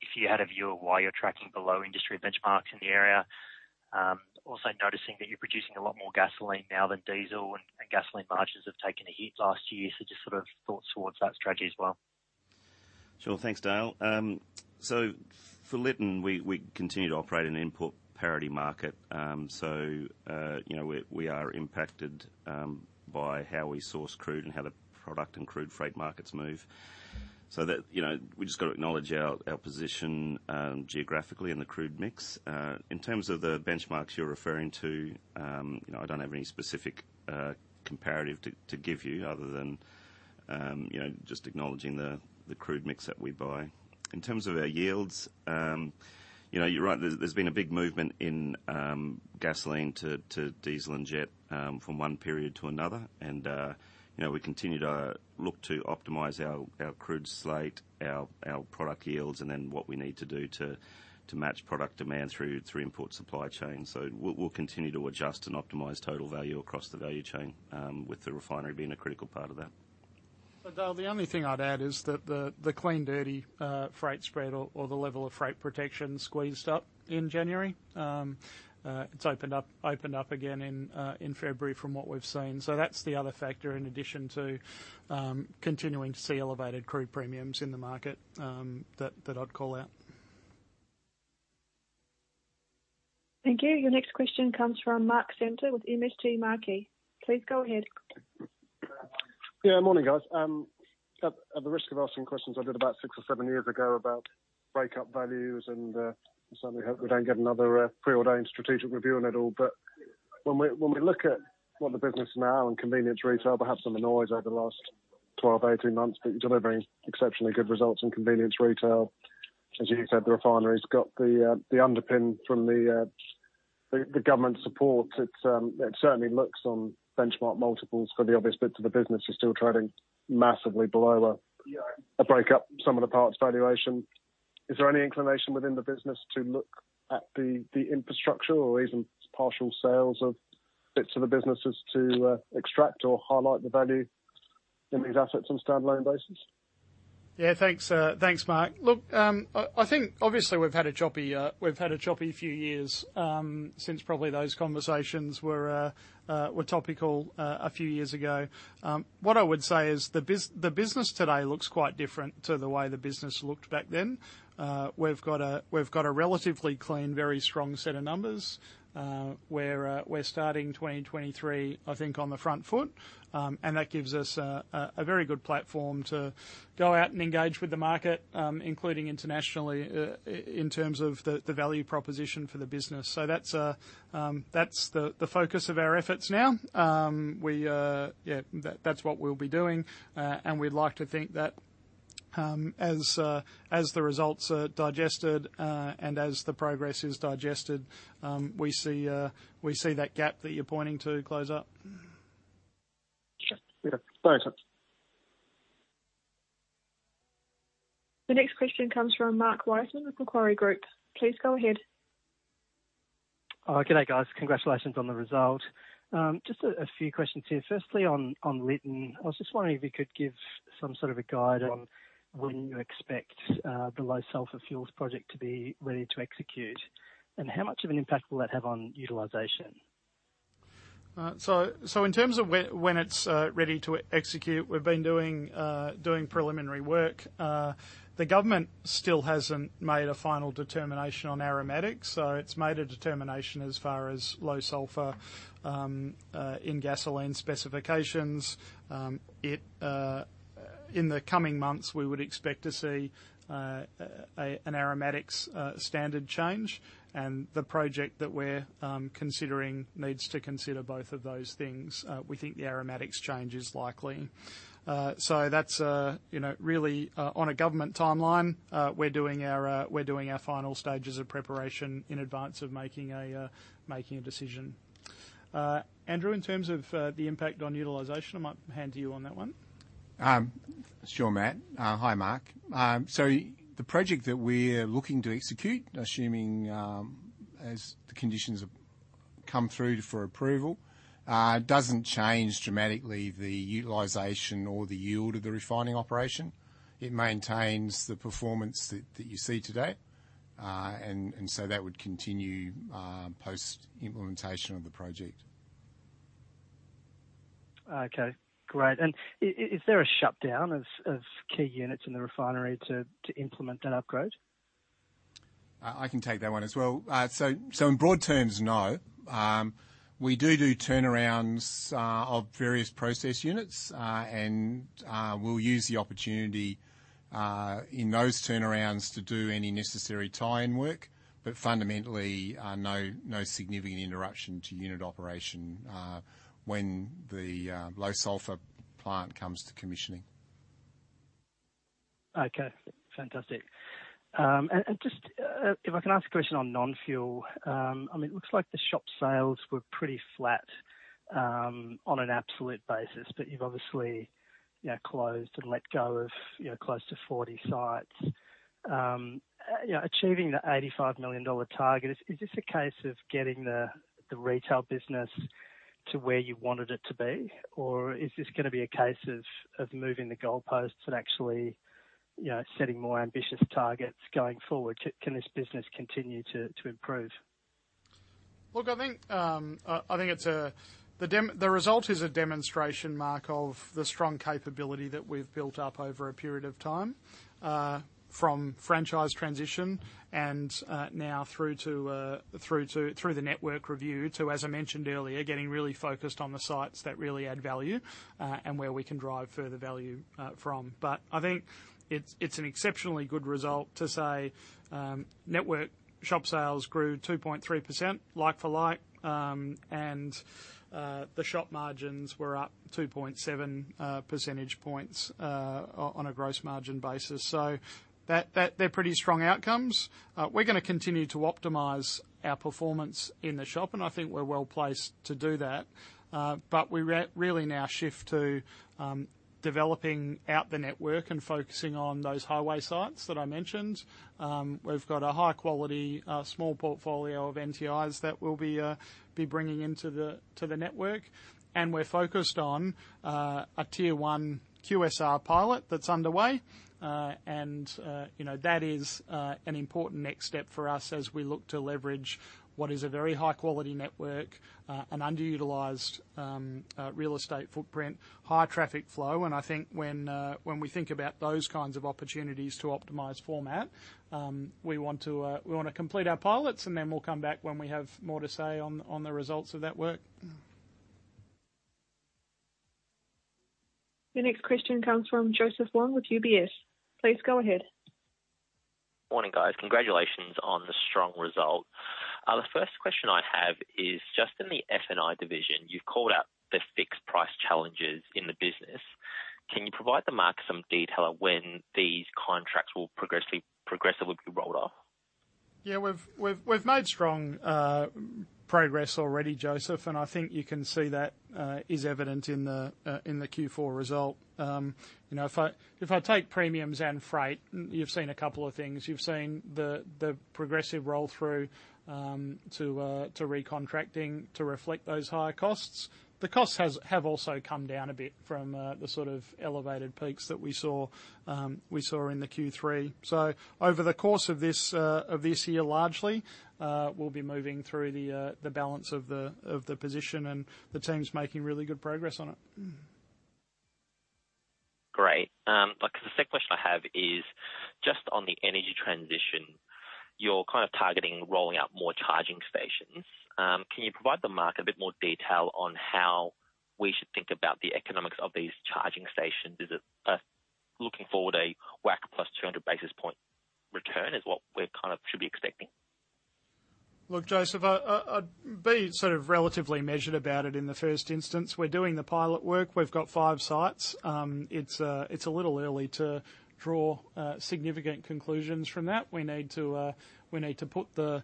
if you had a view of why you're tracking below industry benchmarks in the area. Also noticing that you're producing a lot more gasoline now than diesel and gasoline margins have taken a hit last year. Just sort of thoughts towards that strategy as well. Sure. Thanks, Dale. For Lytton, we continue to operate in an import parity market. You know, we are impacted by how we source crude and how the product and crude freight markets move. That, you know, we just gotta acknowledge our position geographically in the crude mix. In terms of the benchmarks you're referring to, you know, I don't have any specific comparative to give you other than, you know, just acknowledging the crude mix that we buy. In terms of our yields, you know, you're right. There's been a big movement in gasoline to diesel and jet from one period to another. You know, we continue to look to optimize our crude slate, our product yields, and then what we need to do to match product demand through import supply chain. We'll continue to adjust and optimize total value across the value chain, with the refinery being a critical part of that. Dale, the only thing I'd add is that the clean dirty freight spread or the level of freight protection squeezed up in January. It's opened up again in February from what we've seen. That's the other factor in addition to continuing to see elevated crude premiums in the market that I'd call out. Thank you. Your next question comes from Mark Samter with MST Marquee. Please go ahead. Yeah, morning, guys. At the risk of asking questions I did about six or seven years ago about breakup values and certainly hope we don't get another preordained strategic review and that all. When we look at what the business now and convenience retail, perhaps some noise over the last 12, 18 months, but you're delivering exceptionally good results in convenience retail. As you said, the refinery's got the underpin from the government support. It certainly looks on benchmark multiples for the obvious bits of the business are still trading massively below a breakup sum of the parts valuation. Is there any inclination within the business to look at the infrastructure or even partial sales of bits of the businesses to extract or highlight the value in these assets on a standalone basis? Yeah, thanks, Mark. Look, I think obviously we've had a choppy few years since probably those conversations were topical a few years ago. What I would say is the business today looks quite different to the way the business looked back then. We've got a relatively clean, very strong set of numbers. We're starting 2023, I think, on the front foot. That gives us a very good platform to go out and engage with the market, including internationally in terms of the value proposition for the business. That's the focus of our efforts now. We, yeah, that's what we'll be doing. We'd like to think that, as the results are digested, and as the progress is digested, we see that gap that you're pointing to close up. Sure. Yeah. Thanks. The next question comes from Mark Twidell with Macquarie Group. Please go ahead. G'day, guys. Congratulations on the result. Just a few questions here. Firstly, on Lytton. I was just wondering if you could give some sort of a guide on when you expect the low sulfur fuels project to be ready to execute. How much of an impact will that have on utilization? In terms of when it's ready to execute, we've been doing preliminary work. The government still hasn't made a final determination on aromatics. It's made a determination as far as low sulfur in gasoline specifications. It in the coming months, we would expect to see an aromatics standard change. The project that we're considering needs to consider both of those things. We think the aromatics change is likely. That's, you know, really on a government timeline, we're doing our final stages of preparation in advance of making a decision. Andrew, in terms of the impact on utilization, I might hand to you on that one. Sure, Matt. Hi, Mark. The project that we're looking to execute, assuming, as the conditions have come through for approval, doesn't change dramatically the utilization or the yield of the refining operation. It maintains the performance that you see today, and so that would continue post-implementation of the project. Okay, great. Is there a shutdown of key units in the refinery to implement that upgrade? I can take that one as well. In broad terms, no. We do turnarounds of various process units, and we'll use the opportunity in those turnarounds to do any necessary tie-in work. Fundamentally, no significant interruption to unit operation when the low sulfur plant comes to commissioning. Okay, fantastic. Just if I can ask a question on non-fuel. I mean, it looks like the shop sales were pretty flat on an absolute basis, but you've obviously, you know, closed and let go of, you know, close to 40 sites. You know, achieving the 85 million dollar target, is this a case of getting the retail business to where you wanted it to be? Is this gonna be a case of moving the goalposts and actually, you know, setting more ambitious targets going forward? Can this business continue to improve? I think, the result is a demonstration, Mark, of the strong capability that we've built up over a period of time, from franchise transition and, now through to, through the network review to, as I mentioned earlier, getting really focused on the sites that really add value, and where we can drive further value from. I think it's an exceptionally good result to say, network shop sales grew 2.3% like for like, and the shop margins were up 2.7 percentage points on a gross margin basis. That they're pretty strong outcomes. We're gonna continue to optimize our performance in the shop, and I think we're well placed to do that. We really now shift to developing out the network and focusing on those highway sites that I mentioned. We've got a high quality small portfolio of NTI that we'll be bringing into the network. We're focused on a Tier 1 QSR pilot that's underway. You know, that is an important next step for us as we look to leverage what is a very high quality network, an underutilized real estate footprint, high traffic flow. I think when we think about those kinds of opportunities to optimize format, we want to complete our pilots and then we'll come back when we have more to say on the results of that work. The next question comes from Shaun Cousins with UBS. Please go ahead. Morning, guys. Congratulations on the strong result. The first question I have is just in the F&I division, you've called out the fixed price challenges in the business. Can you provide the market some detail on when these contracts will progressively be rolled off? Yeah, we've made strong progress already, Joseph, I think you can see that is evident in the Q4 result. You know, if I take premiums and freight, you've seen a couple of things. You've seen the progressive roll through to recontracting to reflect those higher costs. The costs have also come down a bit from the sort of elevated peaks that we saw in the Q3. Over the course of this year, largely, we'll be moving through the balance of the position, and the team's making really good progress on it. Great. The second question I have is just on the energy transition. You're kind of targeting rolling out more charging stations. Can you provide the market a bit more detail on how we should think about the economics of these charging stations? Is it looking forward a WACC plus 200 basis point return is what we're kind of should be expecting? Shaun, I'd be sort of relatively measured about it in the first instance. We're doing the pilot work. We've got five sites. It's a little early to draw significant conclusions from that. We need to put the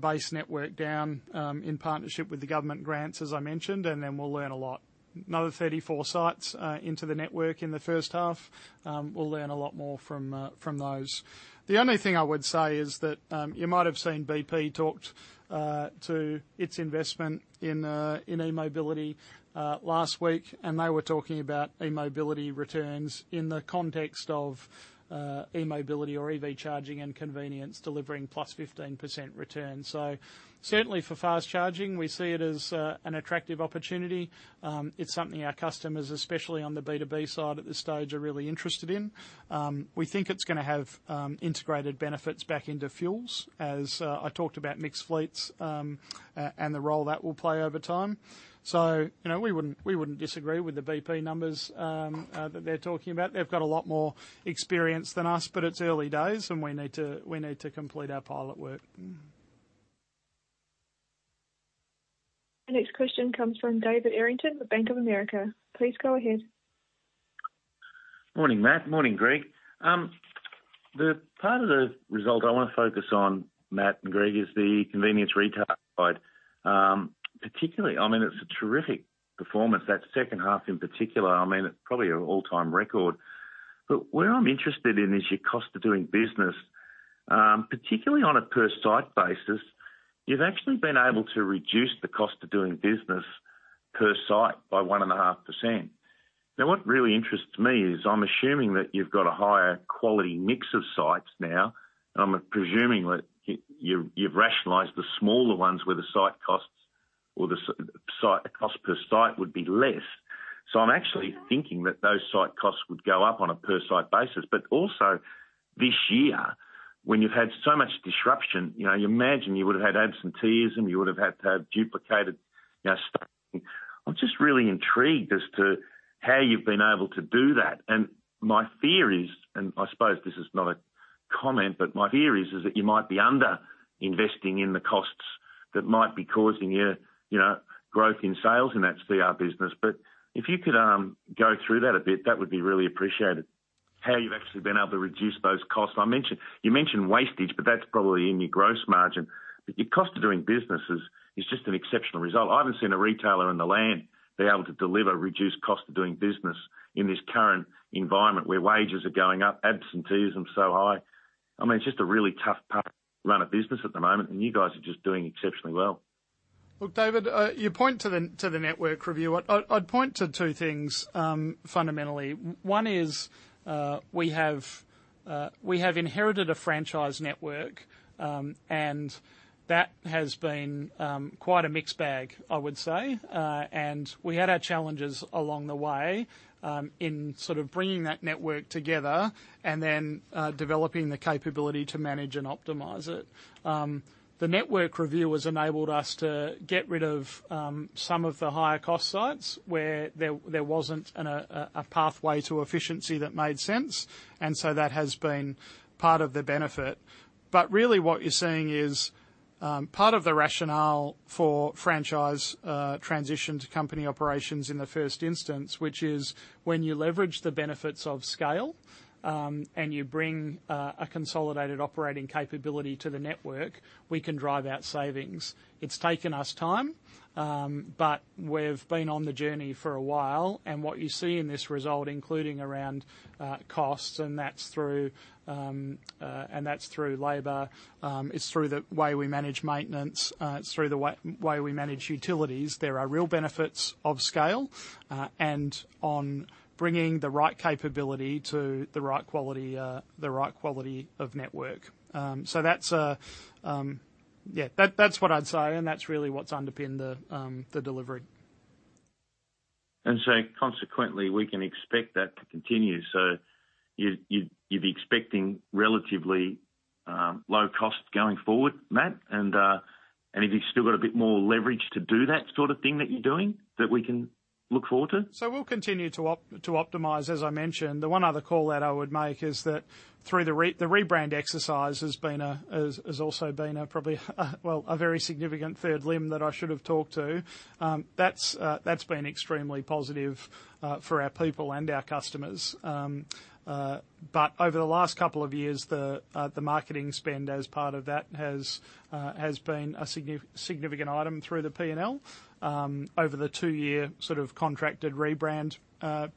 base network down in partnership with the government grants, as I mentioned, and then we'll learn a lot. Another 34 sites into the network in the first half. We'll learn a lot more from those. The only thing I would say is that you might have seen BP talked to its investment in e-mobility last week, and they were talking about e-mobility returns in the context of e-mobility or EV charging and convenience delivering +15% return. Certainly for fast charging, we see it as an attractive opportunity. It's something our customers, especially on the B2B side at this stage, are really interested in. We think it's gonna have integrated benefits back into fuels, as I talked about mixed fleets, and the role that will play over time. You know, we wouldn't disagree with the BP numbers that they're talking about. They've got a lot more experience than us, but it's early days and we need to complete our pilot work. The next question comes from David Errington with Bank of America. Please go ahead. Morning, Matt. Morning, Greg. The part of the result I wanna focus on, Matt and Greg, is the convenience retail side. Particularly, I mean, it's a terrific performance, that second half in particular. I mean, it's probably an all-time record. Where I'm interested in is your cost of doing business Particularly on a per site basis, you've actually been able to reduce the cost of doing business per site by 1.5%. What really interests me is I'm assuming that you've got a higher quality mix of sites now, and I'm presuming that you've rationalized the smaller ones where the site costs or the site cost per site would be less. I'm actually thinking that those site costs would go up on a per site basis. Also this year, when you've had so much disruption, you know, you imagine you would've had absenteeism, you would've had to have duplicated, you know, staffing. I'm just really intrigued as to how you've been able to do that? My theory is, I suppose this is not a comment, my theory is that you might be under investing in the costs that might be causing you know, growth in sales in that CR business. If you could go through that a bit, that would be really appreciated, how you've actually been able to reduce those costs. You mentioned wastage, but that's probably in your gross margin. Your cost of doing business is just an exceptional result. I haven't seen a retailer in the land be able to deliver reduced cost of doing business in this current environment where wages are going up, absenteeism is so high. I mean, it's just a really tough path to run a business at the moment, and you guys are just doing exceptionally well. Look, David, you point to the network review. I'd point to two things fundamentally. One is, we have inherited a franchise network, and that has been quite a mixed bag, I would say. We had our challenges along the way in sort of bringing that network together and then developing the capability to manage and optimize it. The network review has enabled us to get rid of some of the higher cost sites where there wasn't a pathway to efficiency that made sense, and so that has been part of the benefit. Really what you're seeing is part of the rationale for franchise transition to company operations in the first instance, which is when you leverage the benefits of scale, and you bring a consolidated operating capability to the network, we can drive out savings. It's taken us time, but we've been on the journey for a while. What you see in this result, including around costs, and that's through labor, it's through the way we manage maintenance, it's through the way we manage utilities. There are real benefits of scale, and on bringing the right capability to the right quality of network. That's what I'd say, and that's really what's underpinned the delivery. Consequently, we can expect that to continue. You'd be expecting relatively low costs going forward, Matt? Have you still got a bit more leverage to do that sort of thing that you're doing that we can look forward to? We'll continue to optimize, as I mentioned. The one other call-out I would make is that through the rebrand exercise has also been a probably, well, a very significant third limb that I should have talked to. That's been extremely positive for our people and our customers. Over the last couple of years, the marketing spend as part of that has been a significant item through the P&L over the two-year sort of contracted rebrand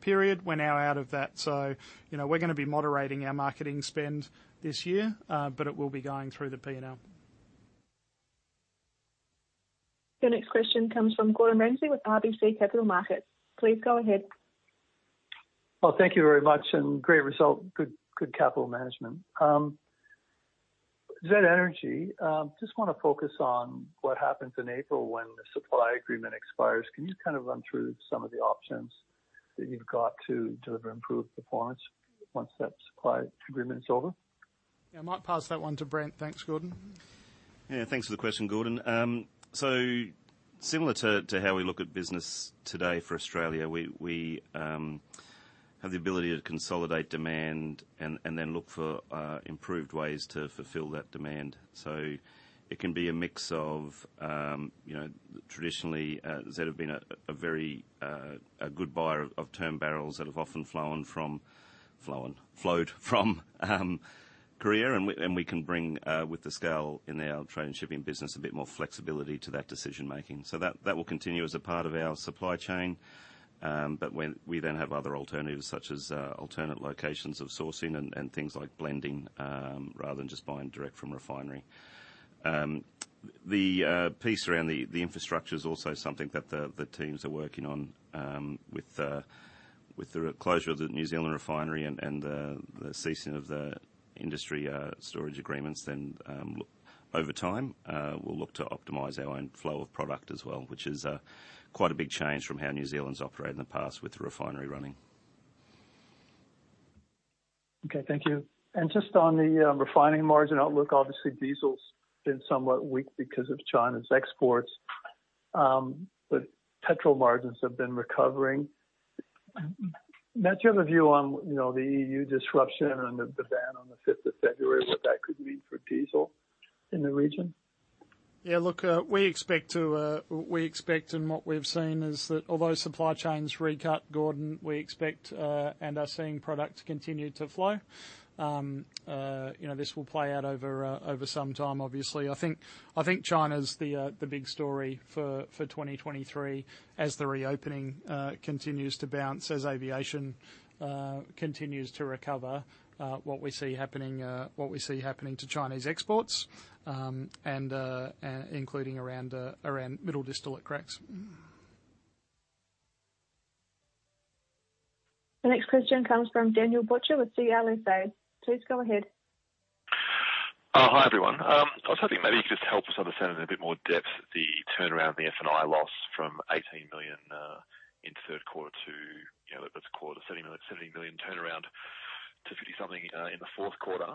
period. We're now out of that, you know, we're gonna be moderating our marketing spend this year, but it will be going through the P&L. Your next question comes from Gordon Ramsay with RBC Capital Markets. Please go ahead. Thank you very much and great result. Good capital management. Z Energy, just want to focus on what happens in April when the supply agreement expires. Can you kind of run through some of the options that you've got to deliver improved performance once that supply agreement is over? Yeah. I might pass that one to Brent. Thanks, Gordon. Thanks for the question, Gordon. Similar to how we look at business today for Australia, we have the ability to consolidate demand and then look for improved ways to fulfill that demand. It can be a mix of, you know, traditionally, Z have been a very good buyer of term barrels that have often flowed from Korea. We can bring with the scale in our trade and shipping business, a bit more flexibility to that decision-making. That will continue as a part of our supply chain. We then have other alternatives such as alternate locations of sourcing and things like blending, rather than just buying direct from refinery. The piece around the infrastructure is also something that the teams are working on, with the closure of the New Zealand refinery and the ceasing of the industry storage agreements. Over time, we'll look to optimize our own flow of product as well, which is quite a big change from how New Zealand's operated in the past with the refinery running. Thank you. Just on the refining margin outlook, obviously diesel's been somewhat weak because of China's exports. Petrol margins have been recovering. Matt, do you have a view on, you know, the EU disruption and the ban on the 5th of February, what that could mean for diesel in the region? Yeah. Look, we expect to, we expect and what we've seen is that although supply chains recut, Gordon, we expect and are seeing product continue to flow. You know, this will play out over some time, obviously. I think China's the big story for 2023 as the reopening continues to bounce, as aviation continues to recover, what we see happening to Chinese exports, and including around middle distillate cracks. The next question comes from Daniel Butcher with CLSA. Please go ahead. Hi, everyone. I was hoping maybe you could just help us understand in a bit more depth the turnaround, the F&I loss from 18 million in the third quarter to, you know, that's a quarter, 70 million turnaround to 50 something in the fourth quarter.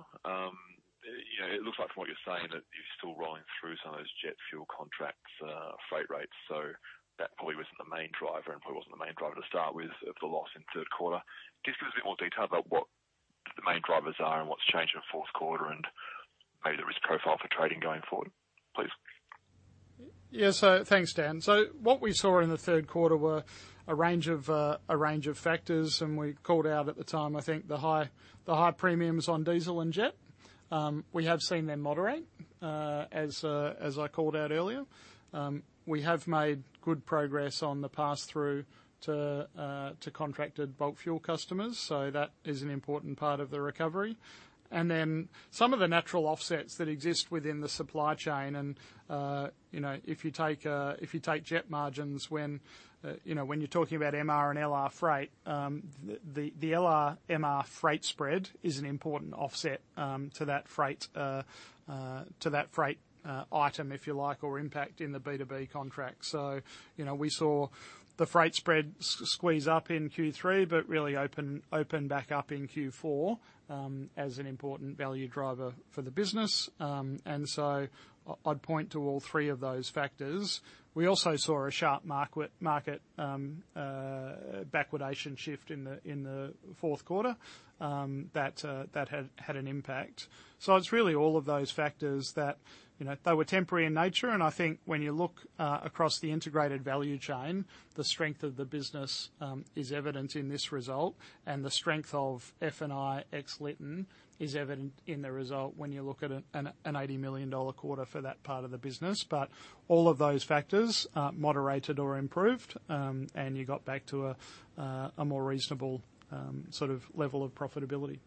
You know, it looks like from what you're saying, that you're still rolling through some of those jet fuel contracts, freight rates. That probably wasn't the main driver and probably wasn't the main driver to start with, of the loss in third quarter. Can you just give us a bit more detail about what the main drivers are and what's changed in the fourth quarter, and maybe the risk profile for trading going forward, please? Yeah. Thanks, Dan. What we saw in the third quarter were a range of factors. We called out at the time, I think the high, the high premiums on diesel and jet. We have seen them moderate as I called out earlier. We have made good progress on the pass-through to contracted bulk fuel customers. That is an important part of the recovery. Then some of the natural offsets that exist within the supply chain. You know, if you take jet margins when you're talking about MR and LR freight, the LR/MR freight spread is an important offset to that freight item, if you like, or impact in the B2B contract. You know, we saw the freight spread squeeze up in Q3, but really open back up in Q4 as an important value driver for the business. I'd point to all three of those factors. We also saw a sharp market backwardation shift in the fourth quarter that had an impact. It's really all of those factors that, you know, they were temporary in nature. I think when you look across the integrated value chain, the strength of the business is evident in this result. The strength of F&I ex-Lytton is evident in the result when you look at an 80 million dollar quarter for that part of the business. All of those factors, moderated or improved, and you got back to a more reasonable sort of level of profitability.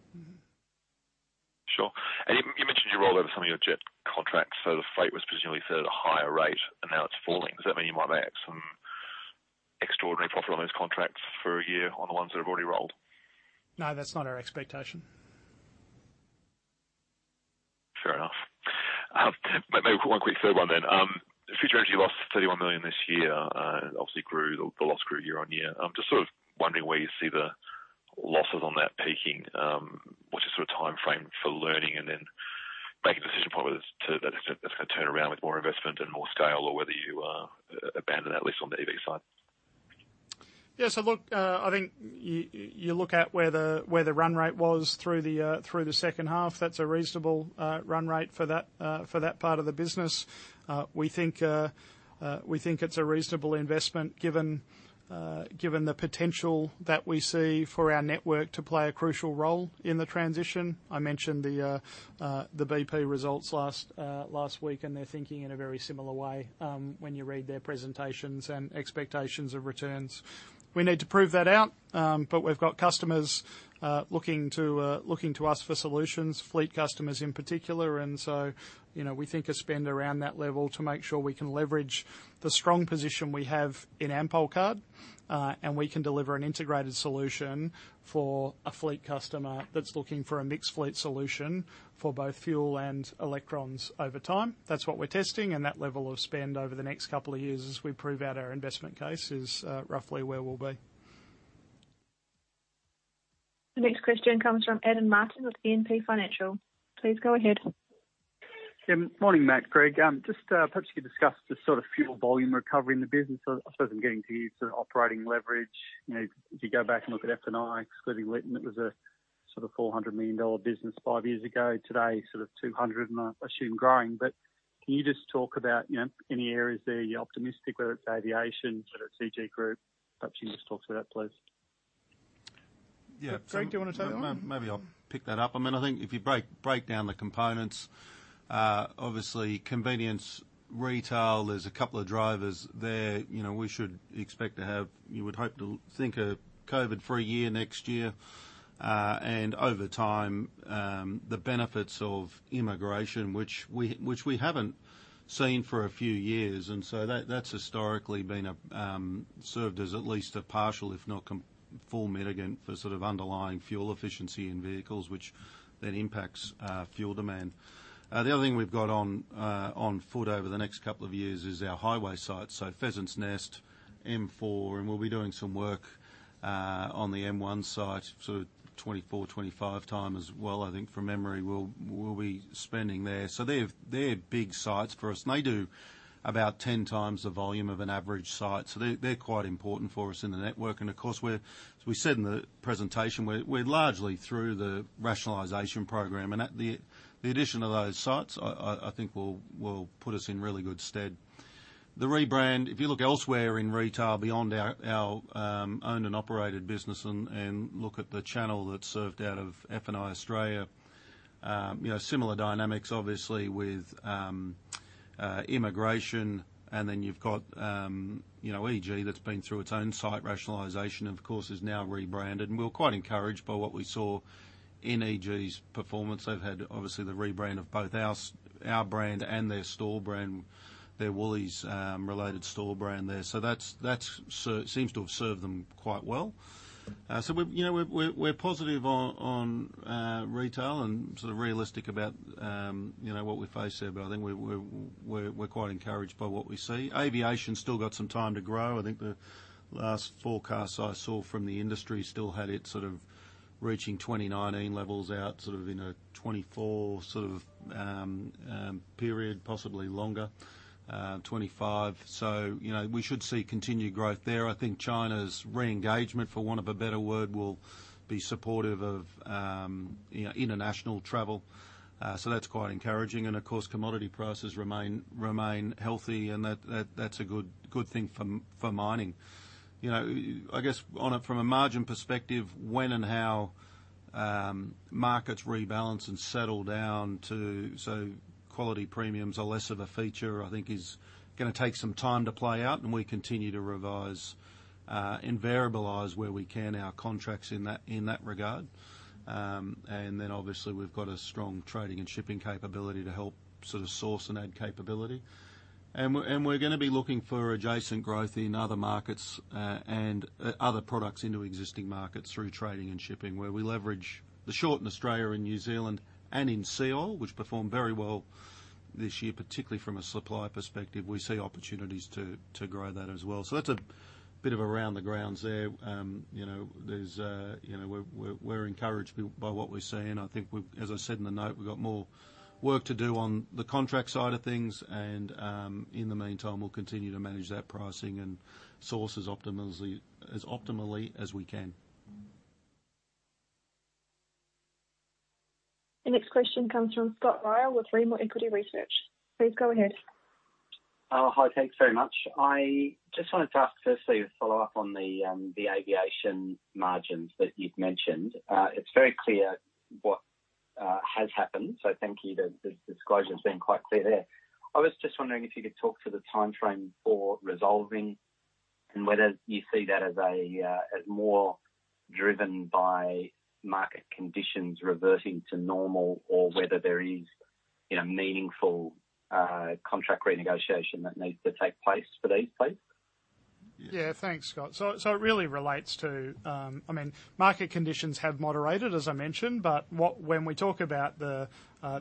Sure. You, you mentioned you rolled over some of your jet contracts, so the freight was presumably set at a higher rate and now it's falling. Does that mean you might make some extraordinary profit on those contracts for a year on the ones that have already rolled? No, that's not our expectation. Fair enough. Maybe one quick third one then. Future Energy lost 31 million this year, obviously grew, the loss grew year-on-year. I'm just sort of wondering where you see the losses on that peaking. What's the sort of timeframe for learning and then making a decision as far as to that's gonna turnaround with more investment and more scale or whether you abandon that lease on the EV side? Look, you look at where the run rate was through the second half. That's a reasonable run rate for that part of the business. We think it's a reasonable investment given the potential that we see for our network to play a crucial role in the transition. I mentioned the BP results last week, and they're thinking in a very similar way when you read their presentations and expectations of returns. We need to prove that out. We've got customers looking to us for solutions, fleet customers in particular. You know, we think a spend around that level to make sure we can leverage the strong position we have in AmpolCard, and we can deliver an integrated solution for a fleet customer that's looking for a mixed fleet solution for both fuel and electrons over time. That's what we're testing, and that level of spend over the next couple of years as we prove out our investment case is roughly where we'll be. The next question comes from Adam Martin with E&P Financial. Please go ahead. Yeah. Morning, Matt Halliday, Greg Barnes. Just, perhaps you could discuss the sort of fuel volume recovery in the business. I suppose I'm getting to sort of operating leverage. You know, if you go back and look at F&I, excluding Lytton, it was a sort of 400 million dollar business five years ago. Today, sort of 200 million, and I assume growing. Can you just talk about, you know, any areas there you're optimistic, whether it's aviation, sort of EG Group, perhaps you can just talk to that, please? Yeah. Greg, do you wanna take that one? Maybe I'll pick that up. I mean, I think if you break down the components, obviously convenience retail, there's a couple of drivers there. You know, we should expect to have, you would hope to think a COVID-free year next year. And over time, the benefits of immigration, which we haven't seen for a few years. That's historically been served as at least a partial, if not full mitigant for sort of underlying fuel efficiency in vehicles, which then impacts fuel demand. The other thing we've got on foot over the next couple of years is our highway sites. So Pheasant's Nest, M4, and we'll be doing some work on the M1 site sort of 2024, 2025 time as well, I think from memory. We'll be spending there. They're big sites for us, and they do about 10 times the volume of an average site. They're quite important for us in the network. Of course, we're, as we said in the presentation, we're largely through the rationalization program. At the addition of those sites, I think will put us in really good stead. The rebrand, if you look elsewhere in retail beyond our owned and operated business and look at the channel that's served out of F&I Australia, you know, similar dynamics obviously with immigration, and then you've got, you know, EG that's been through its own site rationalization and of course is now rebranded. We're quite encouraged by what we saw in EG's performance. They've had obviously the rebrand of both our brand and their store brand, their Woolies, related store brand there. That's seems to have served them quite well. We're, you know, we're positive on retail and sort of realistic about, you know, what we face there. I think we're quite encouraged by what we see. Aviation's still got some time to grow. I think the last forecast I saw from the industry still had it sort of reaching 2019 levels out sort of in a 2024 sort of period, possibly longer, 2025. You know, we should see continued growth there. I think China's re-engagement, for want of a better word, will be supportive of, you know, international travel. That's quite encouraging. Of course, commodity prices remain healthy, and that's a good thing for mining. You know, I guess on a, from a margin perspective, when and how markets rebalance and settle down to so quality premiums are less of a feature, I think is gonna take some time to play out, and we continue to revise and variabilize where we can our contracts in that, in that regard. Then obviously we've got a strong trading and shipping capability to help sort of source and add capability. We're gonna be looking for adjacent growth in other markets and other products into existing markets through trading and shipping, where we leverage the short in Australia and New Zealand and in SEOL, which performed very well this year, particularly from a supply perspective. We see opportunities to grow that as well. That's a bit of around the grounds there. You know, there's, you know, we're encouraged by what we're seeing. I think we, as I said in the note, we've got more work to do on the contract side of things, and in the meantime we'll continue to manage that pricing and source as optimally as we can. The next question comes from Scott Ryall with Rimor Equity Research. Please go ahead. Hi. Thanks very much. I just wanted to ask firstly a follow-up on the aviation margins that you've mentioned. It's very clear what has happened. Thank you. The disclosure's been quite clear there. I was just wondering if you could talk to the timeframe for resolving and whether you see that as more driven by market conditions reverting to normal or whether there is, you know, meaningful contract renegotiation that needs to take place for these, please. Yeah. Thanks, Scott. It really relates to, I mean, market conditions have moderated, as I mentioned, when we talk about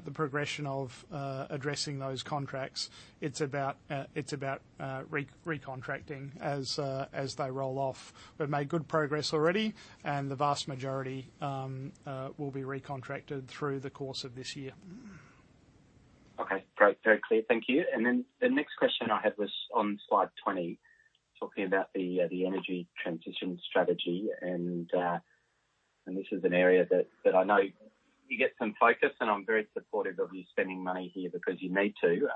the progression of addressing those contracts, it's about recontracting as they roll off. We've made good progress already, and the vast majority will be recontracted through the course of this year. Okay. Great. Very clear. Thank you. The next question I had was on slide 20, talking about the energy transition strategy. This is an area that I know you get some focus, and I'm very supportive of you spending money here because you need to.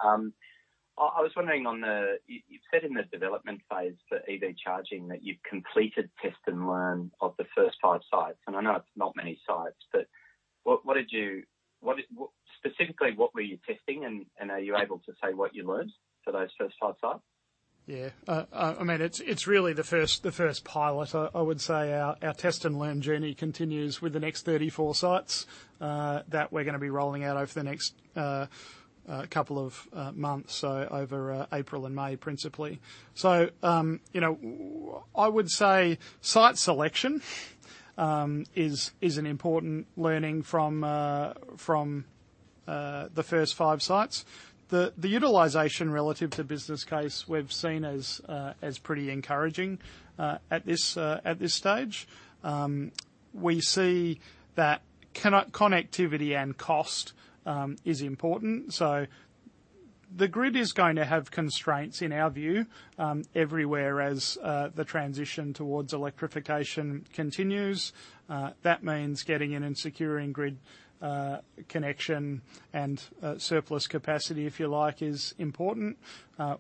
I was wondering You said in the development phase for EV charging that you've completed test and learn of the first five sites. I know it's not many sites, but what did you Specifically, what were you testing, and are you able to say what you learned for those first five sites? Yeah. I mean, it's really the first pilot. I would say our test and learn journey continues with the next 34 sites that we're going to be rolling out over the next couple of months, so over April and May principally. You know, I would say site selection is an important learning from the first five sites. The utilization relative to business case we've seen as pretty encouraging at this stage. We see that connectivity and cost is important. The grid is going to have constraints, in our view, everywhere as the transition towards electrification continues. That means getting in and securing grid connection and surplus capacity, if you like, is important.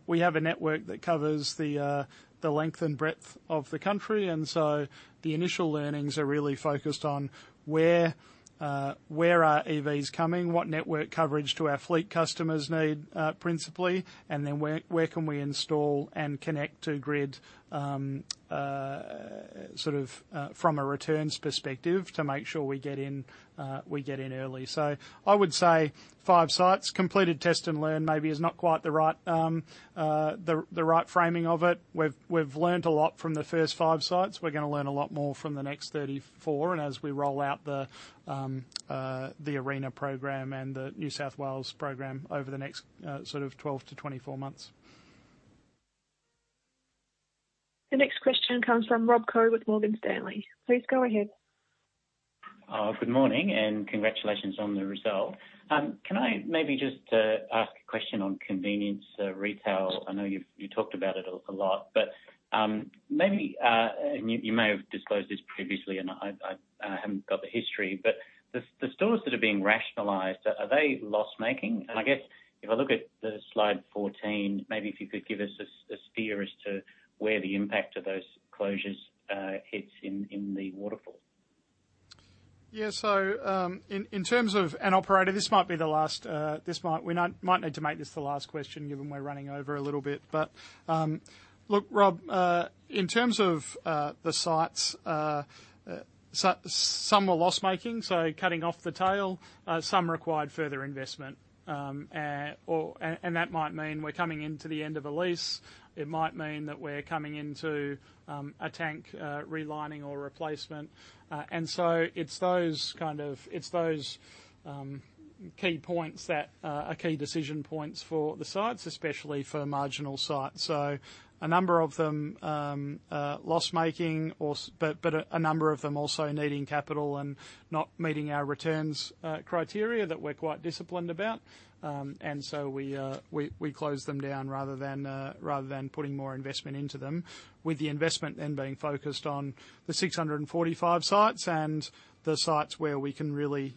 We have a network that covers the length and breadth of the country, and so the initial learnings are really focused on where are EVs coming, what network coverage do our fleet customers need, principally, and then where can we install and connect to grid, sort of, from a returns perspective to make sure we get in, we get in early. I would say five sites, completed test and learn maybe is not quite the right framing of it. We've learnt a lot from the first five sites. We're gonna learn a lot more from the next 34, and as we roll out the ARENA program and the New South Wales program over the next sort of 12-24 months. The next question comes from Rob Koh with Morgan Stanley. Please go ahead. Good morning, congratulations on the result. Can I maybe just ask a question on convenience retail? I know you talked about it a lot, but maybe you may have disclosed this previously and I haven't got the history. The stores that are being rationalized, are they loss-making? I guess if I look at the slide 14, maybe if you could give us a steer as to where the impact of those closures hits in the waterfall. Yeah. In terms of and operator, this might be the last, we might need to make this the last question given we're running over a little bit. Look, Rob, in terms of the sites, some were loss-making, so cutting off the tail. Some required further investment, or. That might mean we're coming into the end of a lease. It might mean that we're coming into a tank relining or replacement. It's those kind of. It's those key points that are key decision points for the sites, especially for marginal sites. A number of them are loss-making or but a number of them also needing capital and not meeting our returns criteria that we're quite disciplined about. We close them down rather than putting more investment into them, with the investment then being focused on the 645 sites and the sites where we can really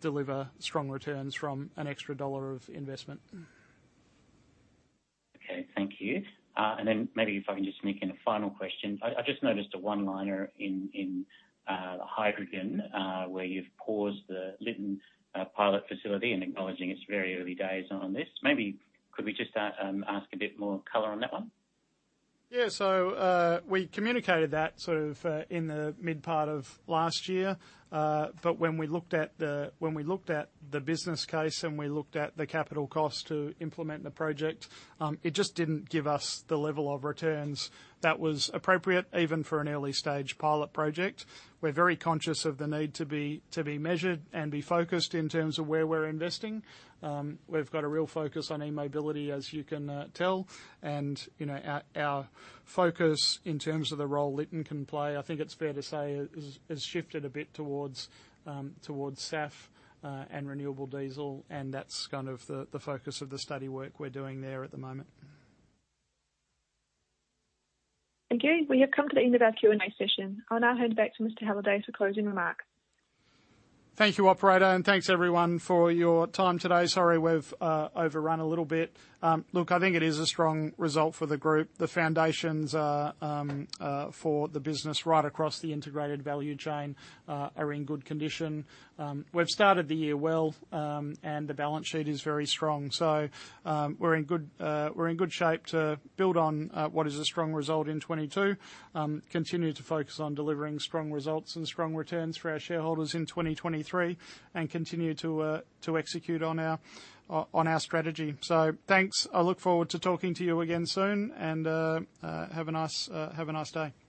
deliver strong returns from an extra AUD 1 of investment. Okay. Thank you. Maybe if I can just sneak in a final question. I just noticed a one-liner in hydrogen, where you've paused the Lytton pilot facility and acknowledging it's very early days on this. Maybe could we just ask a bit more color on that one? We communicated that sort of in the mid part of last year. When we looked at the business case and we looked at the capital cost to implement the project, it just didn't give us the level of returns that was appropriate even for an early-stage pilot project. We're very conscious of the need to be measured and be focused in terms of where we're investing. We've got a real focus on e-mobility, as you can tell. You know, our focus in terms of the role Lytton can play, I think it's fair to say, has shifted a bit towards SAF and renewable diesel, and that's kind of the focus of the study work we're doing there at the moment. We have come to the end of our Q&A session. I'll now hand back to Mr. Halliday for closing remarks. Thank you, operator. Thanks everyone for your time today. Sorry we've overrun a little bit. Look, I think it is a strong result for the group. The foundations are for the business right across the integrated value chain are in good condition. We've started the year well, and the balance sheet is very strong. We're in good shape to build on what is a strong result in 2022. Continue to focus on delivering strong results and strong returns for our shareholders in 2023 and continue to execute on our strategy. Thanks. I look forward to talking to you again soon and have a nice day.